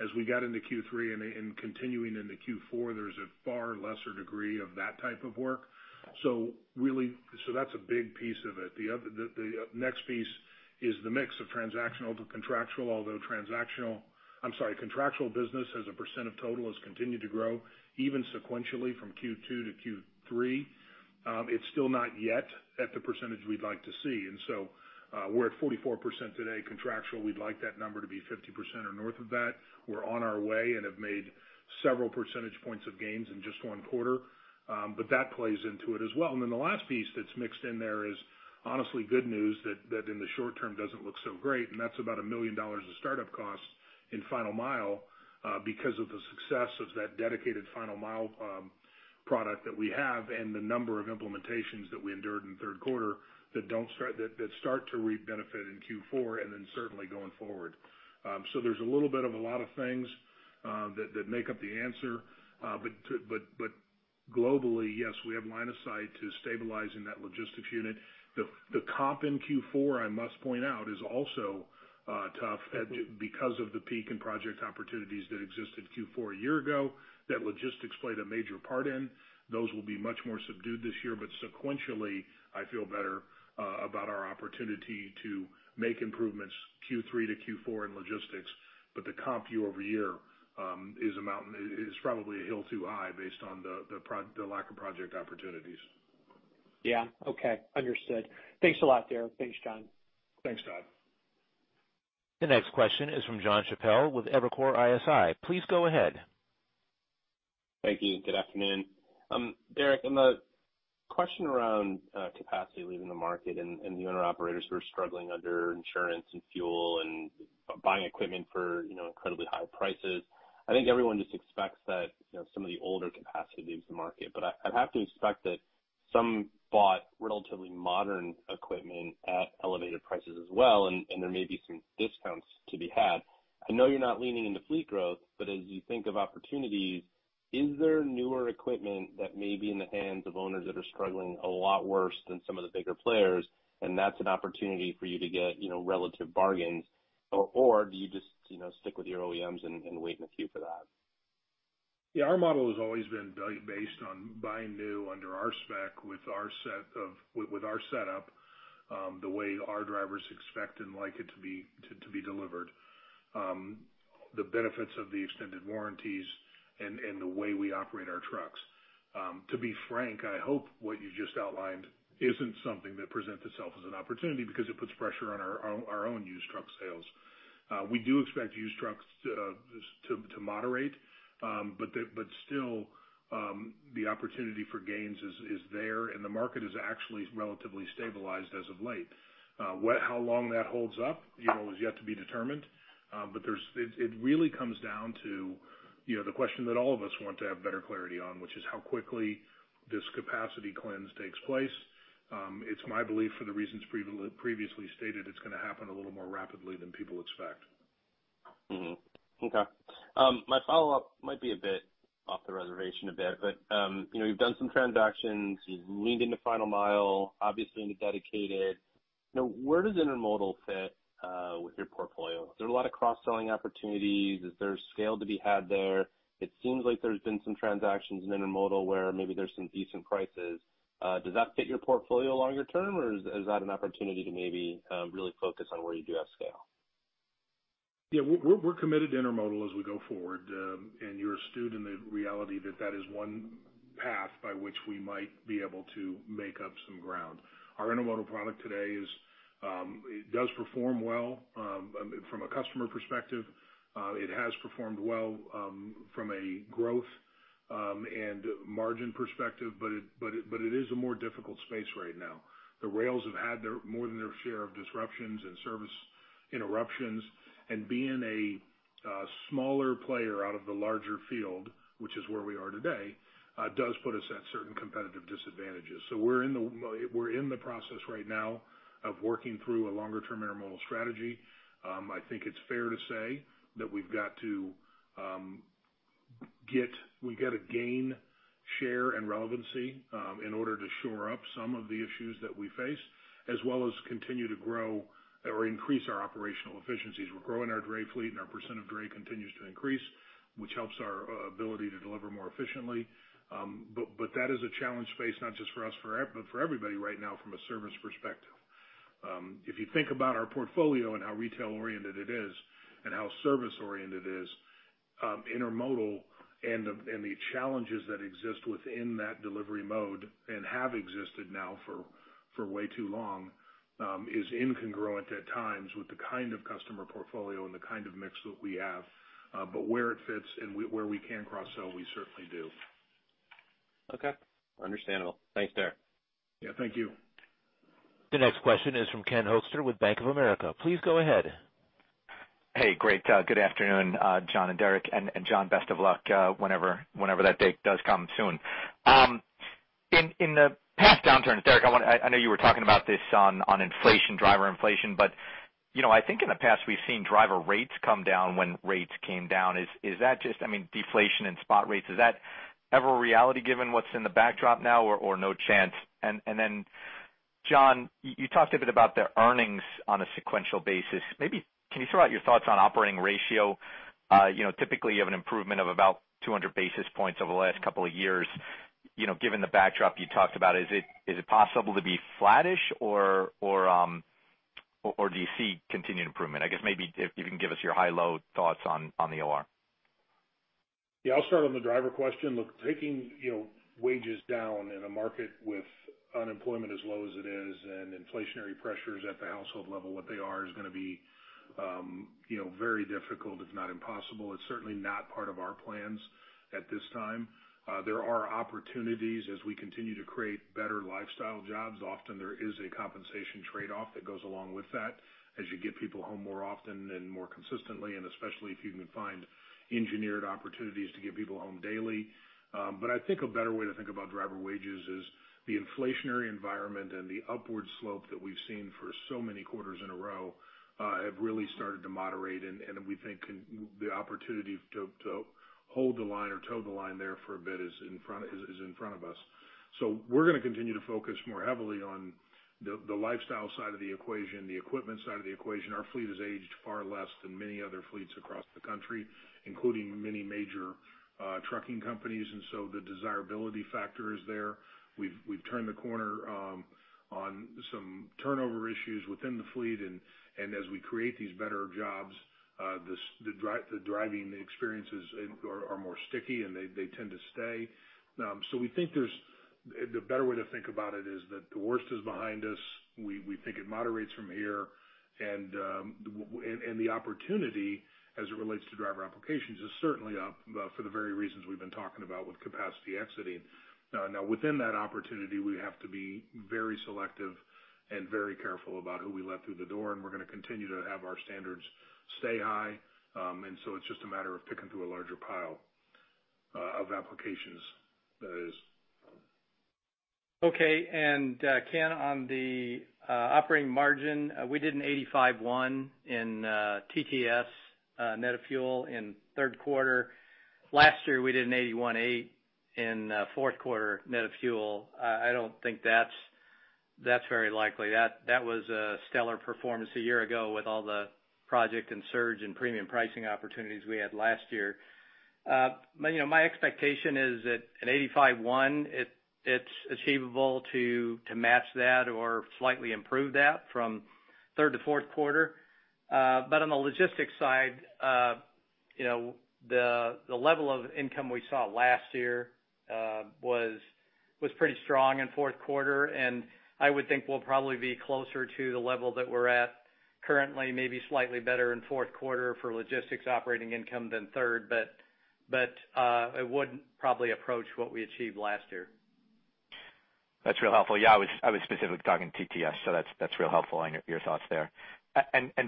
As we got into Q3 and continuing into Q4, there's a far lesser degree of that type of work. Really, that's a big piece of it. The other, the next piece is the mix of transactional to contractual, although, I'm sorry, contractual business as a percent of total has continued to grow even sequentially from Q2 to Q3. It's still not yet at the percentage we'd like to see. We're at 44% today contractual. We'd like that number to be 50% or north of that. We're on our way and have made several percentage points of gains in just one quarter, but that plays into it as well. Then the last piece that's mixed in there is honestly good news that in the short term doesn't look so great, and that's about $1 million of startup costs in Final Mile, because of the success of that dedicated Final Mile product that we have and the number of implementations that we endured in the third quarter that start to re-benefit in Q4, and then certainly going forward. There's a little bit of a lot of things that make up the answer. Globally, yes, we have line of sight to stabilizing that Logistics unit. The comp in Q4, I must point out, is also tough, because of the peak in project opportunities that existed Q4 a year ago that Logistics played a major part in. Those will be much more subdued this year, sequentially, I feel better about our opportunity to make improvements Q3 to Q4 in Logistics. The comp year-over-year is a mountain, is probably a hill too high based on the lack of project opportunities. Yeah. Okay. Understood. Thanks a lot, Derek. Thanks, John. Thanks, Todd. The next question is from Jon Chappell with Evercore ISI. Please go ahead. Thank you. Good afternoon. Derek, on the question around capacity leaving the market and the owner-operators who are struggling under insurance and fuel and buying equipment for, you know, incredibly high prices, I think everyone just expects that, you know, some of the older capacity leaves the market. I'd have to expect that some bought relatively modern equipment at elevated prices as well, and there may be some discounts to be had. I know you're not leaning into fleet growth, but as you think of opportunities, is there newer equipment that may be in the hands of owners that are struggling a lot worse than some of the bigger players, and that's an opportunity for you to get, you know, relative bargains, or do you just, you know, stick with your OEMs and wait in the queue for that? Yeah. Our model has always been based on buying new under our spec with our setup, the way our drivers expect and like it to be delivered, the benefits of the extended warranties and the way we operate our trucks. To be frank, I hope what you just outlined isn't something that presents itself as an opportunity because it puts pressure on our own used truck sales. We do expect used trucks to moderate, but still, the opportunity for gains is there, and the market is actually relatively stabilized as of late. How long that holds up, you know, is yet to be determined, but there's. It really comes down to, you know, the question that all of us want to have better clarity on, which is how quickly this capacity cleanse takes place. It's my belief for the reasons previously stated, it's gonna happen a little more rapidly than people expect. My follow-up might be a bit off the reservation a bit, but you know, you've done some transactions. You've leaned into Final Mile, obviously into Dedicated. Now, where does Intermodal fit with your portfolio? Is there a lot of cross-selling opportunities? Is there scale to be had there? It seems like there's been some transactions in Intermodal where maybe there's some decent prices. Does that fit your portfolio longer term, or is that an opportunity to maybe really focus on where you do have scale? Yeah. We're committed to Intermodal as we go forward. You're astute in the reality that that is one path by which we might be able to make up some ground. Our Intermodal product today, it does perform well from a customer perspective. It has performed well from a growth and margin perspective, but it is a more difficult space right now. The rails have had more than their fair share of disruptions and service interruptions. Being a smaller player out of the larger field, which is where we are today, does put us at certain competitive disadvantages. We're in the process right now of working through a long-term Intermodal strategy. I think it's fair to say that we've got to gain share and relevancy in order to shore up some of the issues that we face, as well as continue to grow or increase our operational efficiencies. We're growing our dray fleet, and our percent of dray continues to increase, which helps our ability to deliver more efficiently. But that is a challenge faced not just for us, but for everybody right now from a service perspective. If you think about our portfolio and how retail oriented it is and how service oriented Intermodal is and the challenges that exist within that delivery mode and have existed now for way too long is incongruent at times with the kind of customer portfolio and the kind of mix that we have. Where it fits and where we can cross-sell, we certainly do. Okay. Understandable. Thanks, Derek. Yeah. Thank you. The next question is from Ken Hoexter with Bank of America. Please go ahead. Hey. Great. Good afternoon, John and Derek. John, best of luck whenever that date does come soon. In the past downturns, Derek, I know you were talking about this on inflation, driver inflation. You know, I think in the past we've seen driver rates come down when rates came down. Is that just, I mean, deflation and spot rates, is that ever a reality given what's in the backdrop now, or no chance? Then John, you talked a bit about the earnings on a sequential basis. Maybe can you throw out your thoughts on operating ratio? You know, typically you have an improvement of about 200 basis points over the last couple of years. You know, given the backdrop you talked about, is it possible to be flattish or do you see continued improvement? I guess maybe if you can give us your high-low thoughts on the OR. Yeah. I'll start on the driver question. Look, taking, you know, wages down in a market with unemployment as low as it is and inflationary pressures at the household level what they are, is going to be, you know, very difficult, if not impossible. It's certainly not part of our plans at this time. There are opportunities as we continue to create better lifestyle jobs. Often there is a compensation trade-off that goes along with that as you get people home more often and more consistently, and especially if you can find engineered opportunities to get people home daily. I think a better way to think about driver wages is the inflationary environment and the upward slope that we've seen for so many quarters in a row, have really started to moderate. We think the opportunity to hold the line or toe the line there for a bit is in front of us. We're going to continue to focus more heavily on the lifestyle side of the equation, the equipment side of the equation. Our fleet has aged far less than many other fleets across the country, including many major trucking companies, and so the desirability factor is there. We've turned the corner on some turnover issues within the fleet. As we create these better jobs, the driving experiences are more sticky, and they tend to stay. We think the better way to think about it is that the worst is behind us. We think it moderates from here. The opportunity as it relates to driver applications is certainly up, for the very reasons we've been talking about with capacity exiting. Now within that opportunity, we have to be very selective and very careful about who we let through the door, and we're going to continue to have our standards stay high. It's just a matter of picking through a larger pile of applications that is. Okay. Ken, on the operating margin, we did 85.1% in TTS, net of fuel in third quarter. Last year, we did 81.8% in fourth quarter net of fuel. I don't think that's very likely. That was a stellar performance a year ago with all the project and surge and premium pricing opportunities we had last year. You know, my expectation is at 85.1%, it's achievable to match that or slightly improve that from third to fourth quarter. But on the Logistics side, you know, the level of income we saw last year was pretty strong in fourth quarter, and I would think we'll probably be closer to the level that we're at currently, maybe slightly better in fourth quarter for Logistics operating income than third. But it wouldn't probably approach what we achieved last year. That's real helpful. Yeah, I was specifically talking TTS, so that's real helpful. I know your thoughts there.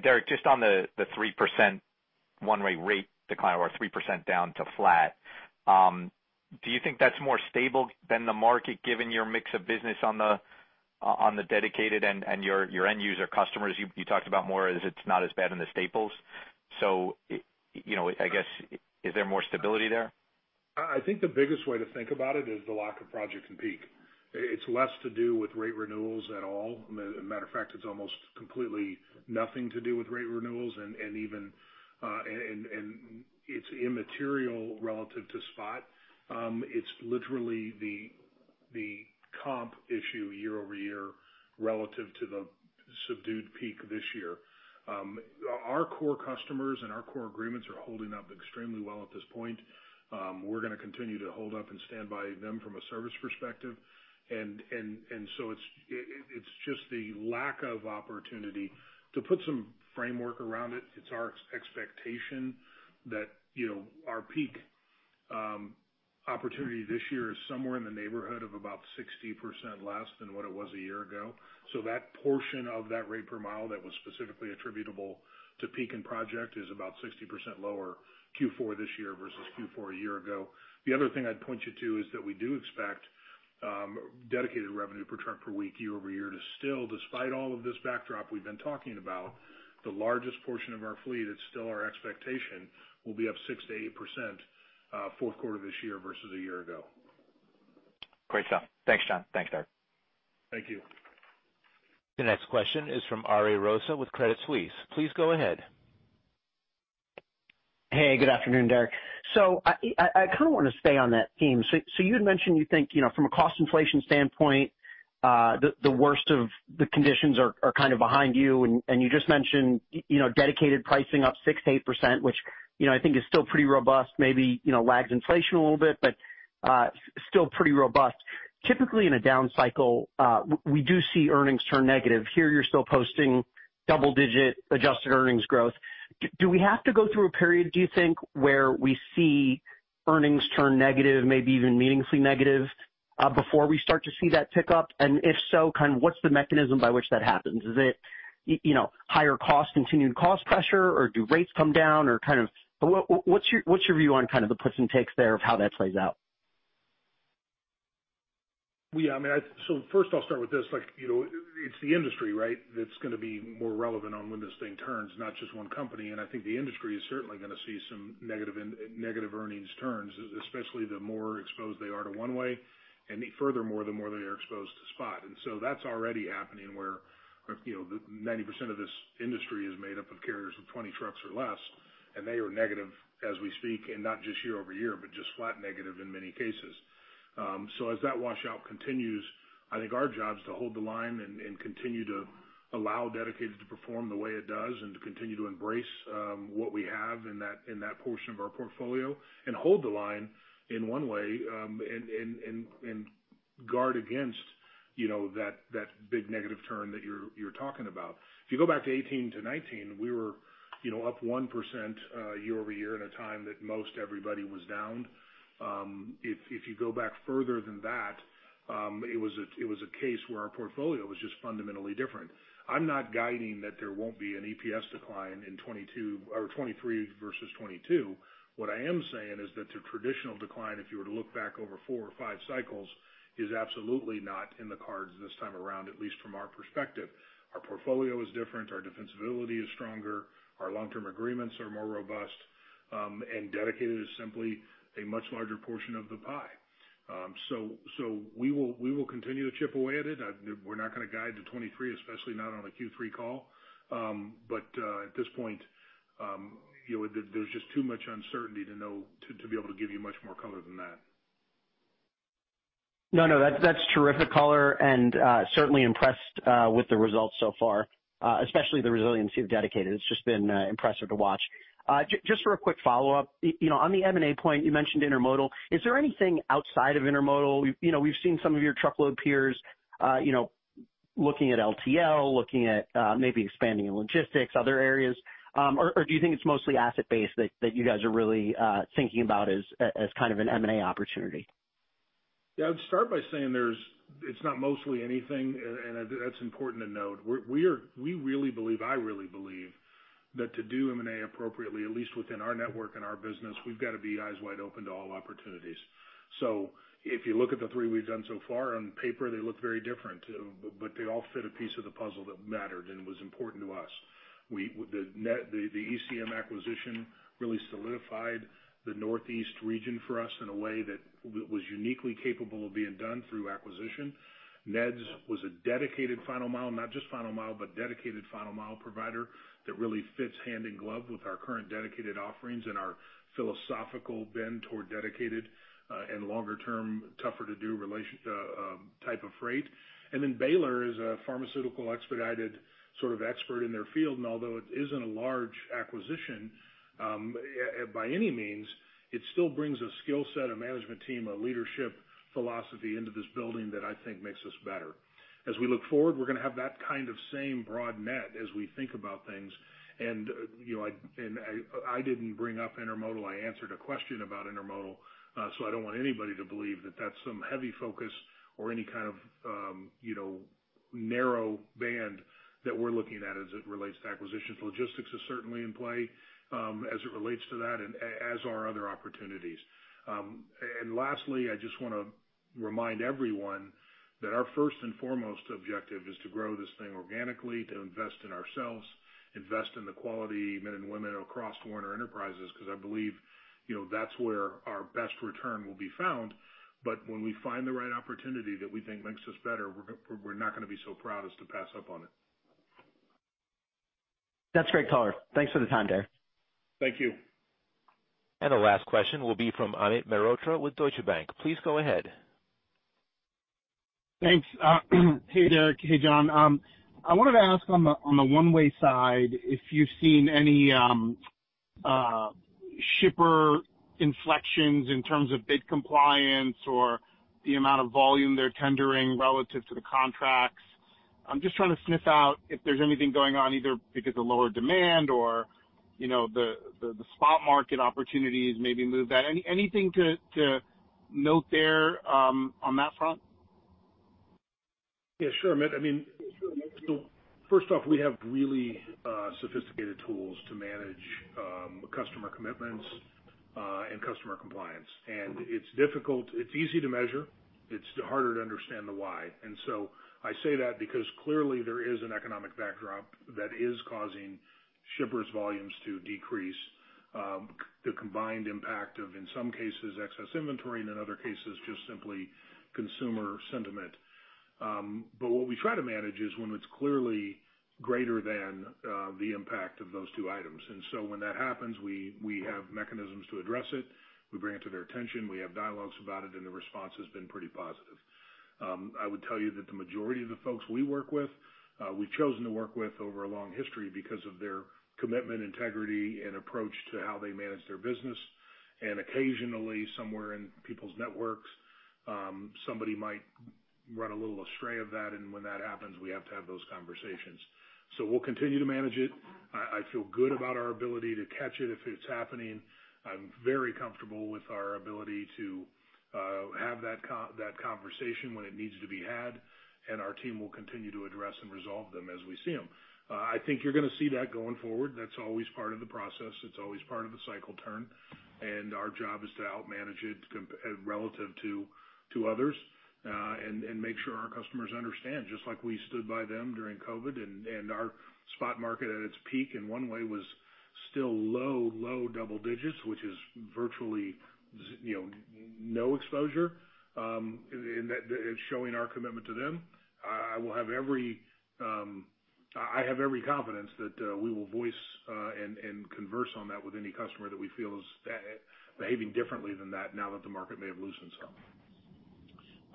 Derek, just on the 3% One-Way rate decline or 3% down to flat, do you think that's more stable than the market, given your mix of business on the Dedicated and your end user customers? You talked about more, as it's not as bad in the staples. You know, I guess, is there more stability there? I think the biggest way to think about it is the lack of projected peak. It's less to do with rate renewals at all. Matter of fact, it's almost completely nothing to do with rate renewals. It's even immaterial relative to spot. It's literally the comp issue year-over-year relative to the subdued peak this year. Our core customers and our core agreements are holding up extremely well at this point. We're gonna continue to hold up and stand by them from a service perspective. It's just the lack of opportunity. To put some framework around it's our expectation that, you know, our peak opportunity this year is somewhere in the neighborhood of about 60% less than what it was a year ago. That portion of that rate per mile that was specifically attributable to peak and project is about 60% lower Q4 this year versus Q4 a year ago. The other thing I'd point you to is that we do expect Dedicated revenue per truck per week, year-over-year to still, despite all of this backdrop we've been talking about, the largest portion of our fleet, it's still our expectation will be up 6%-8% fourth quarter this year versus a year ago. Great stuff. Thanks, John. Thanks, Derek. Thank you. The next question is from Ari Rosa with Credit Suisse. Please go ahead. Hey, good afternoon, Derek. I kind of want to stay on that theme. You had mentioned you think, you know, from a cost inflation standpoint, the worst of the conditions are kind of behind you. You just mentioned, you know, Dedicated pricing up 6%-8%, which, you know, I think is still pretty robust. Maybe, you know, lags inflation a little bit, but still pretty robust. Typically, in a down cycle, we do see earnings turn negative. Here you're still posting double-digit adjusted earnings growth. Do we have to go through a period, do you think, where we see earnings turn negative, maybe even meaningfully negative, before we start to see that pick up? If so, kind of what's the mechanism by which that happens? Is it, you know, higher cost, continued cost pressure or do rates come down or kind of? What's your view on kind of the puts and takes there of how that plays out? Yeah, I mean, first I'll start with this. Like, you know, it's the industry, right? That's going to be more relevant on when this thing turns, not just one company. I think the industry is certainly going to see some negative in, negative earnings turns, especially the more exposed they are to One-Way and furthermore, the more they are exposed to spot. That's already happening where, you know, 90% of this industry is made up of carriers with 20 trucks or less, and they are negative as we speak, and not just year-over-year, but just flat negative in many cases. As that washout continues, I think our job is to hold the line and continue to allow Dedicated to perform the way it does and to continue to embrace what we have in that portion of our portfolio and hold the line in One-Way and guard against, you know, that big negative turn that you're talking about. If you go back to 2018-2019, we were, you know, up 1% year-over-year at a time that most everybody was down. If you go back further than that, it was a case where our portfolio was just fundamentally different. I'm not guiding that there won't be an EPS decline in 2022 or 2023 versus 2022. What I am saying is that the traditional decline, if you were to look back over four or five cycles, is absolutely not in the cards this time around, at least from our perspective. Our portfolio is different, our defensibility is stronger, our long-term agreements are more robust, and Dedicated is simply a much larger portion of the pie. We will continue to chip away at it. We're not going to guide to 2023, especially not on a Q3 call. At this point, there's just too much uncertainty to know, to be able to give you much more color than that. No, that's terrific color. Certainly impressed with the results so far, especially the resiliency of Dedicated. It's just been impressive to watch. Just for a quick follow-up, you know, on the M&A point you mentioned Intermodal. Is there anything outside of Intermodal? You know, we've seen some of your truckload peers, you know, looking at LTL, looking at maybe expanding in logistics, other areas. Or do you think it's mostly asset-based that you guys are really thinking about as kind of an M&A opportunity? Yeah, I'd start by saying there's, it's not mostly anything, and that's important to note. We really believe, I really believe that to do M&A appropriately, at least within our network and our business, we've got to be eyes wide open to all opportunities. If you look at the three we've done so far, on paper, they look very different, but they all fit a piece of the puzzle that mattered and was important to us. Then the ECM acquisition really solidified the Northeast region for us in a way that was uniquely capable of being done through acquisition. NEHDS was a dedicated final mile, not just final mile, but Dedicated final mile provider that really fits hand in glove with our current Dedicated offerings and our philosophical bend toward Dedicated and longer term, tougher to do relationship type of freight. Baylor is a pharmaceutical expedited sort of expert in their field. Although it isn't a large acquisition, by any means, it still brings a skill set, a management team, a leadership philosophy into this building that I think makes us better. As we look forward, we're going to have that kind of same broad net as we think about things. I didn't bring up Intermodal. I answered a question about Intermodal. I don't want anybody to believe that that's some heavy focus or any kind of narrow band that we're looking at as it relates to acquisitions. Logistics is certainly in play, as it relates to that and as are other opportunities. Lastly, I just wanna remind everyone that our first and foremost objective is to grow this thing organically, to invest in ourselves, invest in the quality men and women across Werner Enterprises, 'cause I believe, you know, that's where our best return will be found. When we find the right opportunity that we think makes us better, we're not gonna be so proud as to pass up on it. That's great color. Thanks for the time, Derek. Thank you. The last question will be from Amit Mehrotra with Deutsche Bank. Please go ahead. Thanks. Hey, Derek. Hey, John. I wanted to ask on the One-Way side, if you've seen any shipper inflections in terms of bid compliance or the amount of volume they're tendering relative to the contracts. I'm just trying to sniff out if there's anything going on, either because of lower demand or, you know, the spot market opportunities maybe move that. Anything to note there on that front? Yeah, sure, Amit. I mean, first off, we have really sophisticated tools to manage customer commitments and customer compliance. It's easy to measure, it's harder to understand the why. I say that because clearly there is an economic backdrop that is causing shippers volumes to decrease, the combined impact of, in some cases, excess inventory, and in other cases, just simply consumer sentiment. What we try to manage is when it's clearly greater than the impact of those two items. When that happens, we have mechanisms to address it. We bring it to their attention, we have dialogues about it, and the response has been pretty positive. I would tell you that the majority of the folks we work with, we've chosen to work with over a long history because of their commitment, integrity, and approach to how they manage their business. Occasionally, somewhere in people's networks, somebody might run a little astray of that, and when that happens, we have to have those conversations. We'll continue to manage it. I feel good about our ability to catch it if it's happening. I'm very comfortable with our ability to have that conversation when it needs to be had, and our team will continue to address and resolve them as we see them. I think you're gonna see that going forward. That's always part of the process. It's always part of the cycle turn. Our job is to outmanage it relative to others and make sure our customers understand, just like we stood by them during COVID and our spot market at its peak in One-Way was still low double digits, which is virtually, you know, no exposure in that, in showing our commitment to them. I have every confidence that we will voice and converse on that with any customer that we feel is behaving differently than that now that the market may have loosened some.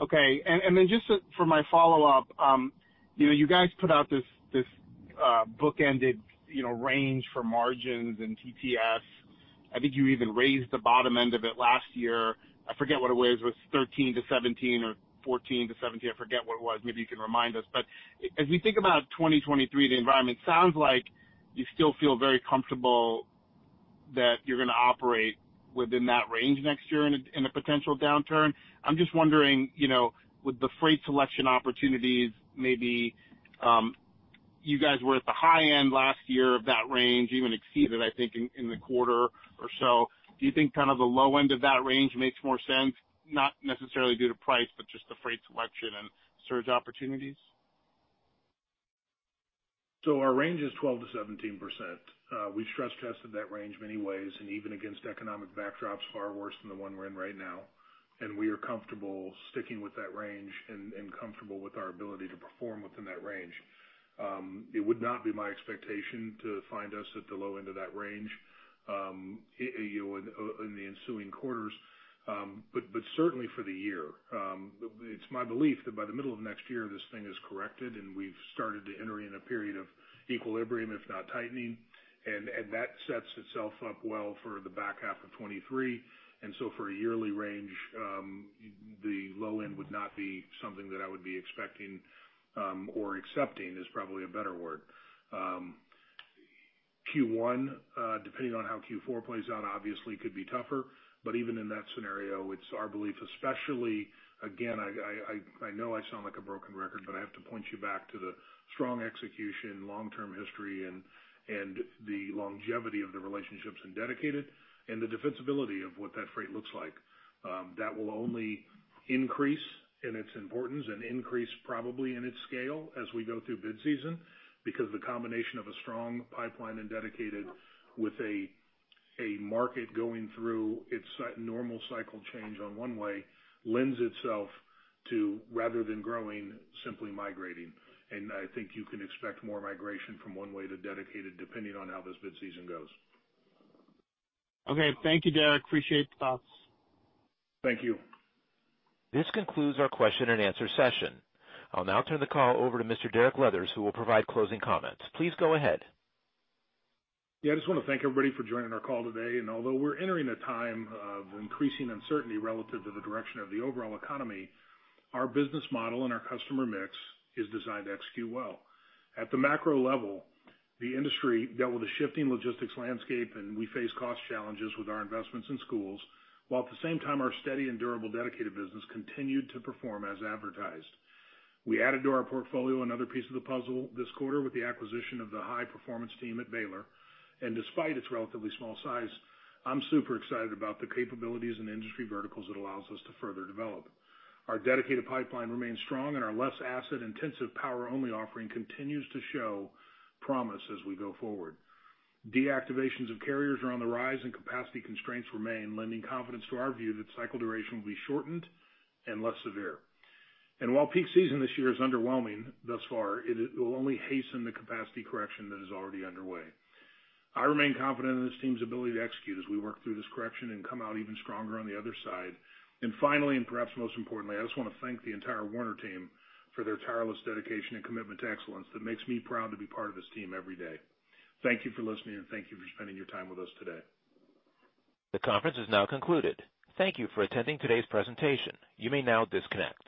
Okay. Then just for my follow-up, you know, you guys put out this bookended, you know, range for margins and TTS. I think you even raised the bottom end of it last year. I forget what it was, 13%-17% or 14%-17%. I forget what it was. Maybe you can remind us. As we think about 2023, the environment sounds like you still feel very comfortable that you're gonna operate within that range next year in a potential downturn. I'm just wondering, you know, with the freight selection opportunities, maybe you guys were at the high end last year of that range, even exceeded I think in the quarter or so. Do you think kind of the low end of that range makes more sense? Not necessarily due to price, but just the freight selection and surge opportunities? Our range is 12%-17%. We've stress tested that range many ways, and even against economic backdrops far worse than the one we're in right now. We are comfortable sticking with that range and comfortable with our ability to perform within that range. It would not be my expectation to find us at the low end of that range, you know, in the ensuing quarters, but certainly for the year. It's my belief that by the middle of next year, this thing is corrected, and we've started to enter in a period of equilibrium, if not tightening. That sets itself up well for the back half of 2023. For a yearly range, the low end would not be something that I would be expecting, or accepting is probably a better word. Q1, depending on how Q4 plays out, obviously could be tougher, but even in that scenario, it's our belief, especially again, I know I sound like a broken record, but I have to point you back to the strong execution, long-term history and the longevity of the relationships in Dedicated and the defensibility of what that freight looks like. That will only increase in its importance and increase probably in its scale as we go through bid season because the combination of a strong pipeline in Dedicated with a market going through its normal cycle change on One-Way lends itself to, rather than growing, simply migrating. I think you can expect more migration from One-Way to Dedicated depending on how this bid season goes. Okay. Thank you, Derek. Appreciate the thoughts. Thank you. This concludes our question-and-answer session. I'll now turn the call over to Mr. Derek Leathers, who will provide closing comments. Please go ahead. Yeah. I just wanna thank everybody for joining our call today. Although we're entering a time of increasing uncertainty relative to the direction of the overall economy, our business model and our customer mix is designed to execute well. At the macro level, the industry dealt with a shifting logistics landscape and we face cost challenges with our investments in scale, while at the same time our steady and durable Dedicated business continued to perform as advertised. We added to our portfolio another piece of the puzzle this quarter with the acquisition of the high performance team at Baylor. Despite its relatively small size, I'm super excited about the capabilities and industry verticals it allows us to further develop. Our Dedicated pipeline remains strong and our less asset-intensive power-only offering continues to show promise as we go forward. Deactivations of carriers are on the rise and capacity constraints remain, lending confidence to our view that cycle duration will be shortened and less severe. While peak season this year is underwhelming thus far, it will only hasten the capacity correction that is already underway. I remain confident in this team's ability to execute as we work through this correction and come out even stronger on the other side. Finally, and perhaps most importantly, I just wanna thank the entire Werner team for their tireless dedication and commitment to excellence that makes me proud to be part of this team every day. Thank you for listening, and thank you for spending your time with us today. The conference is now concluded. Thank you for attending today's presentation. You may now disconnect.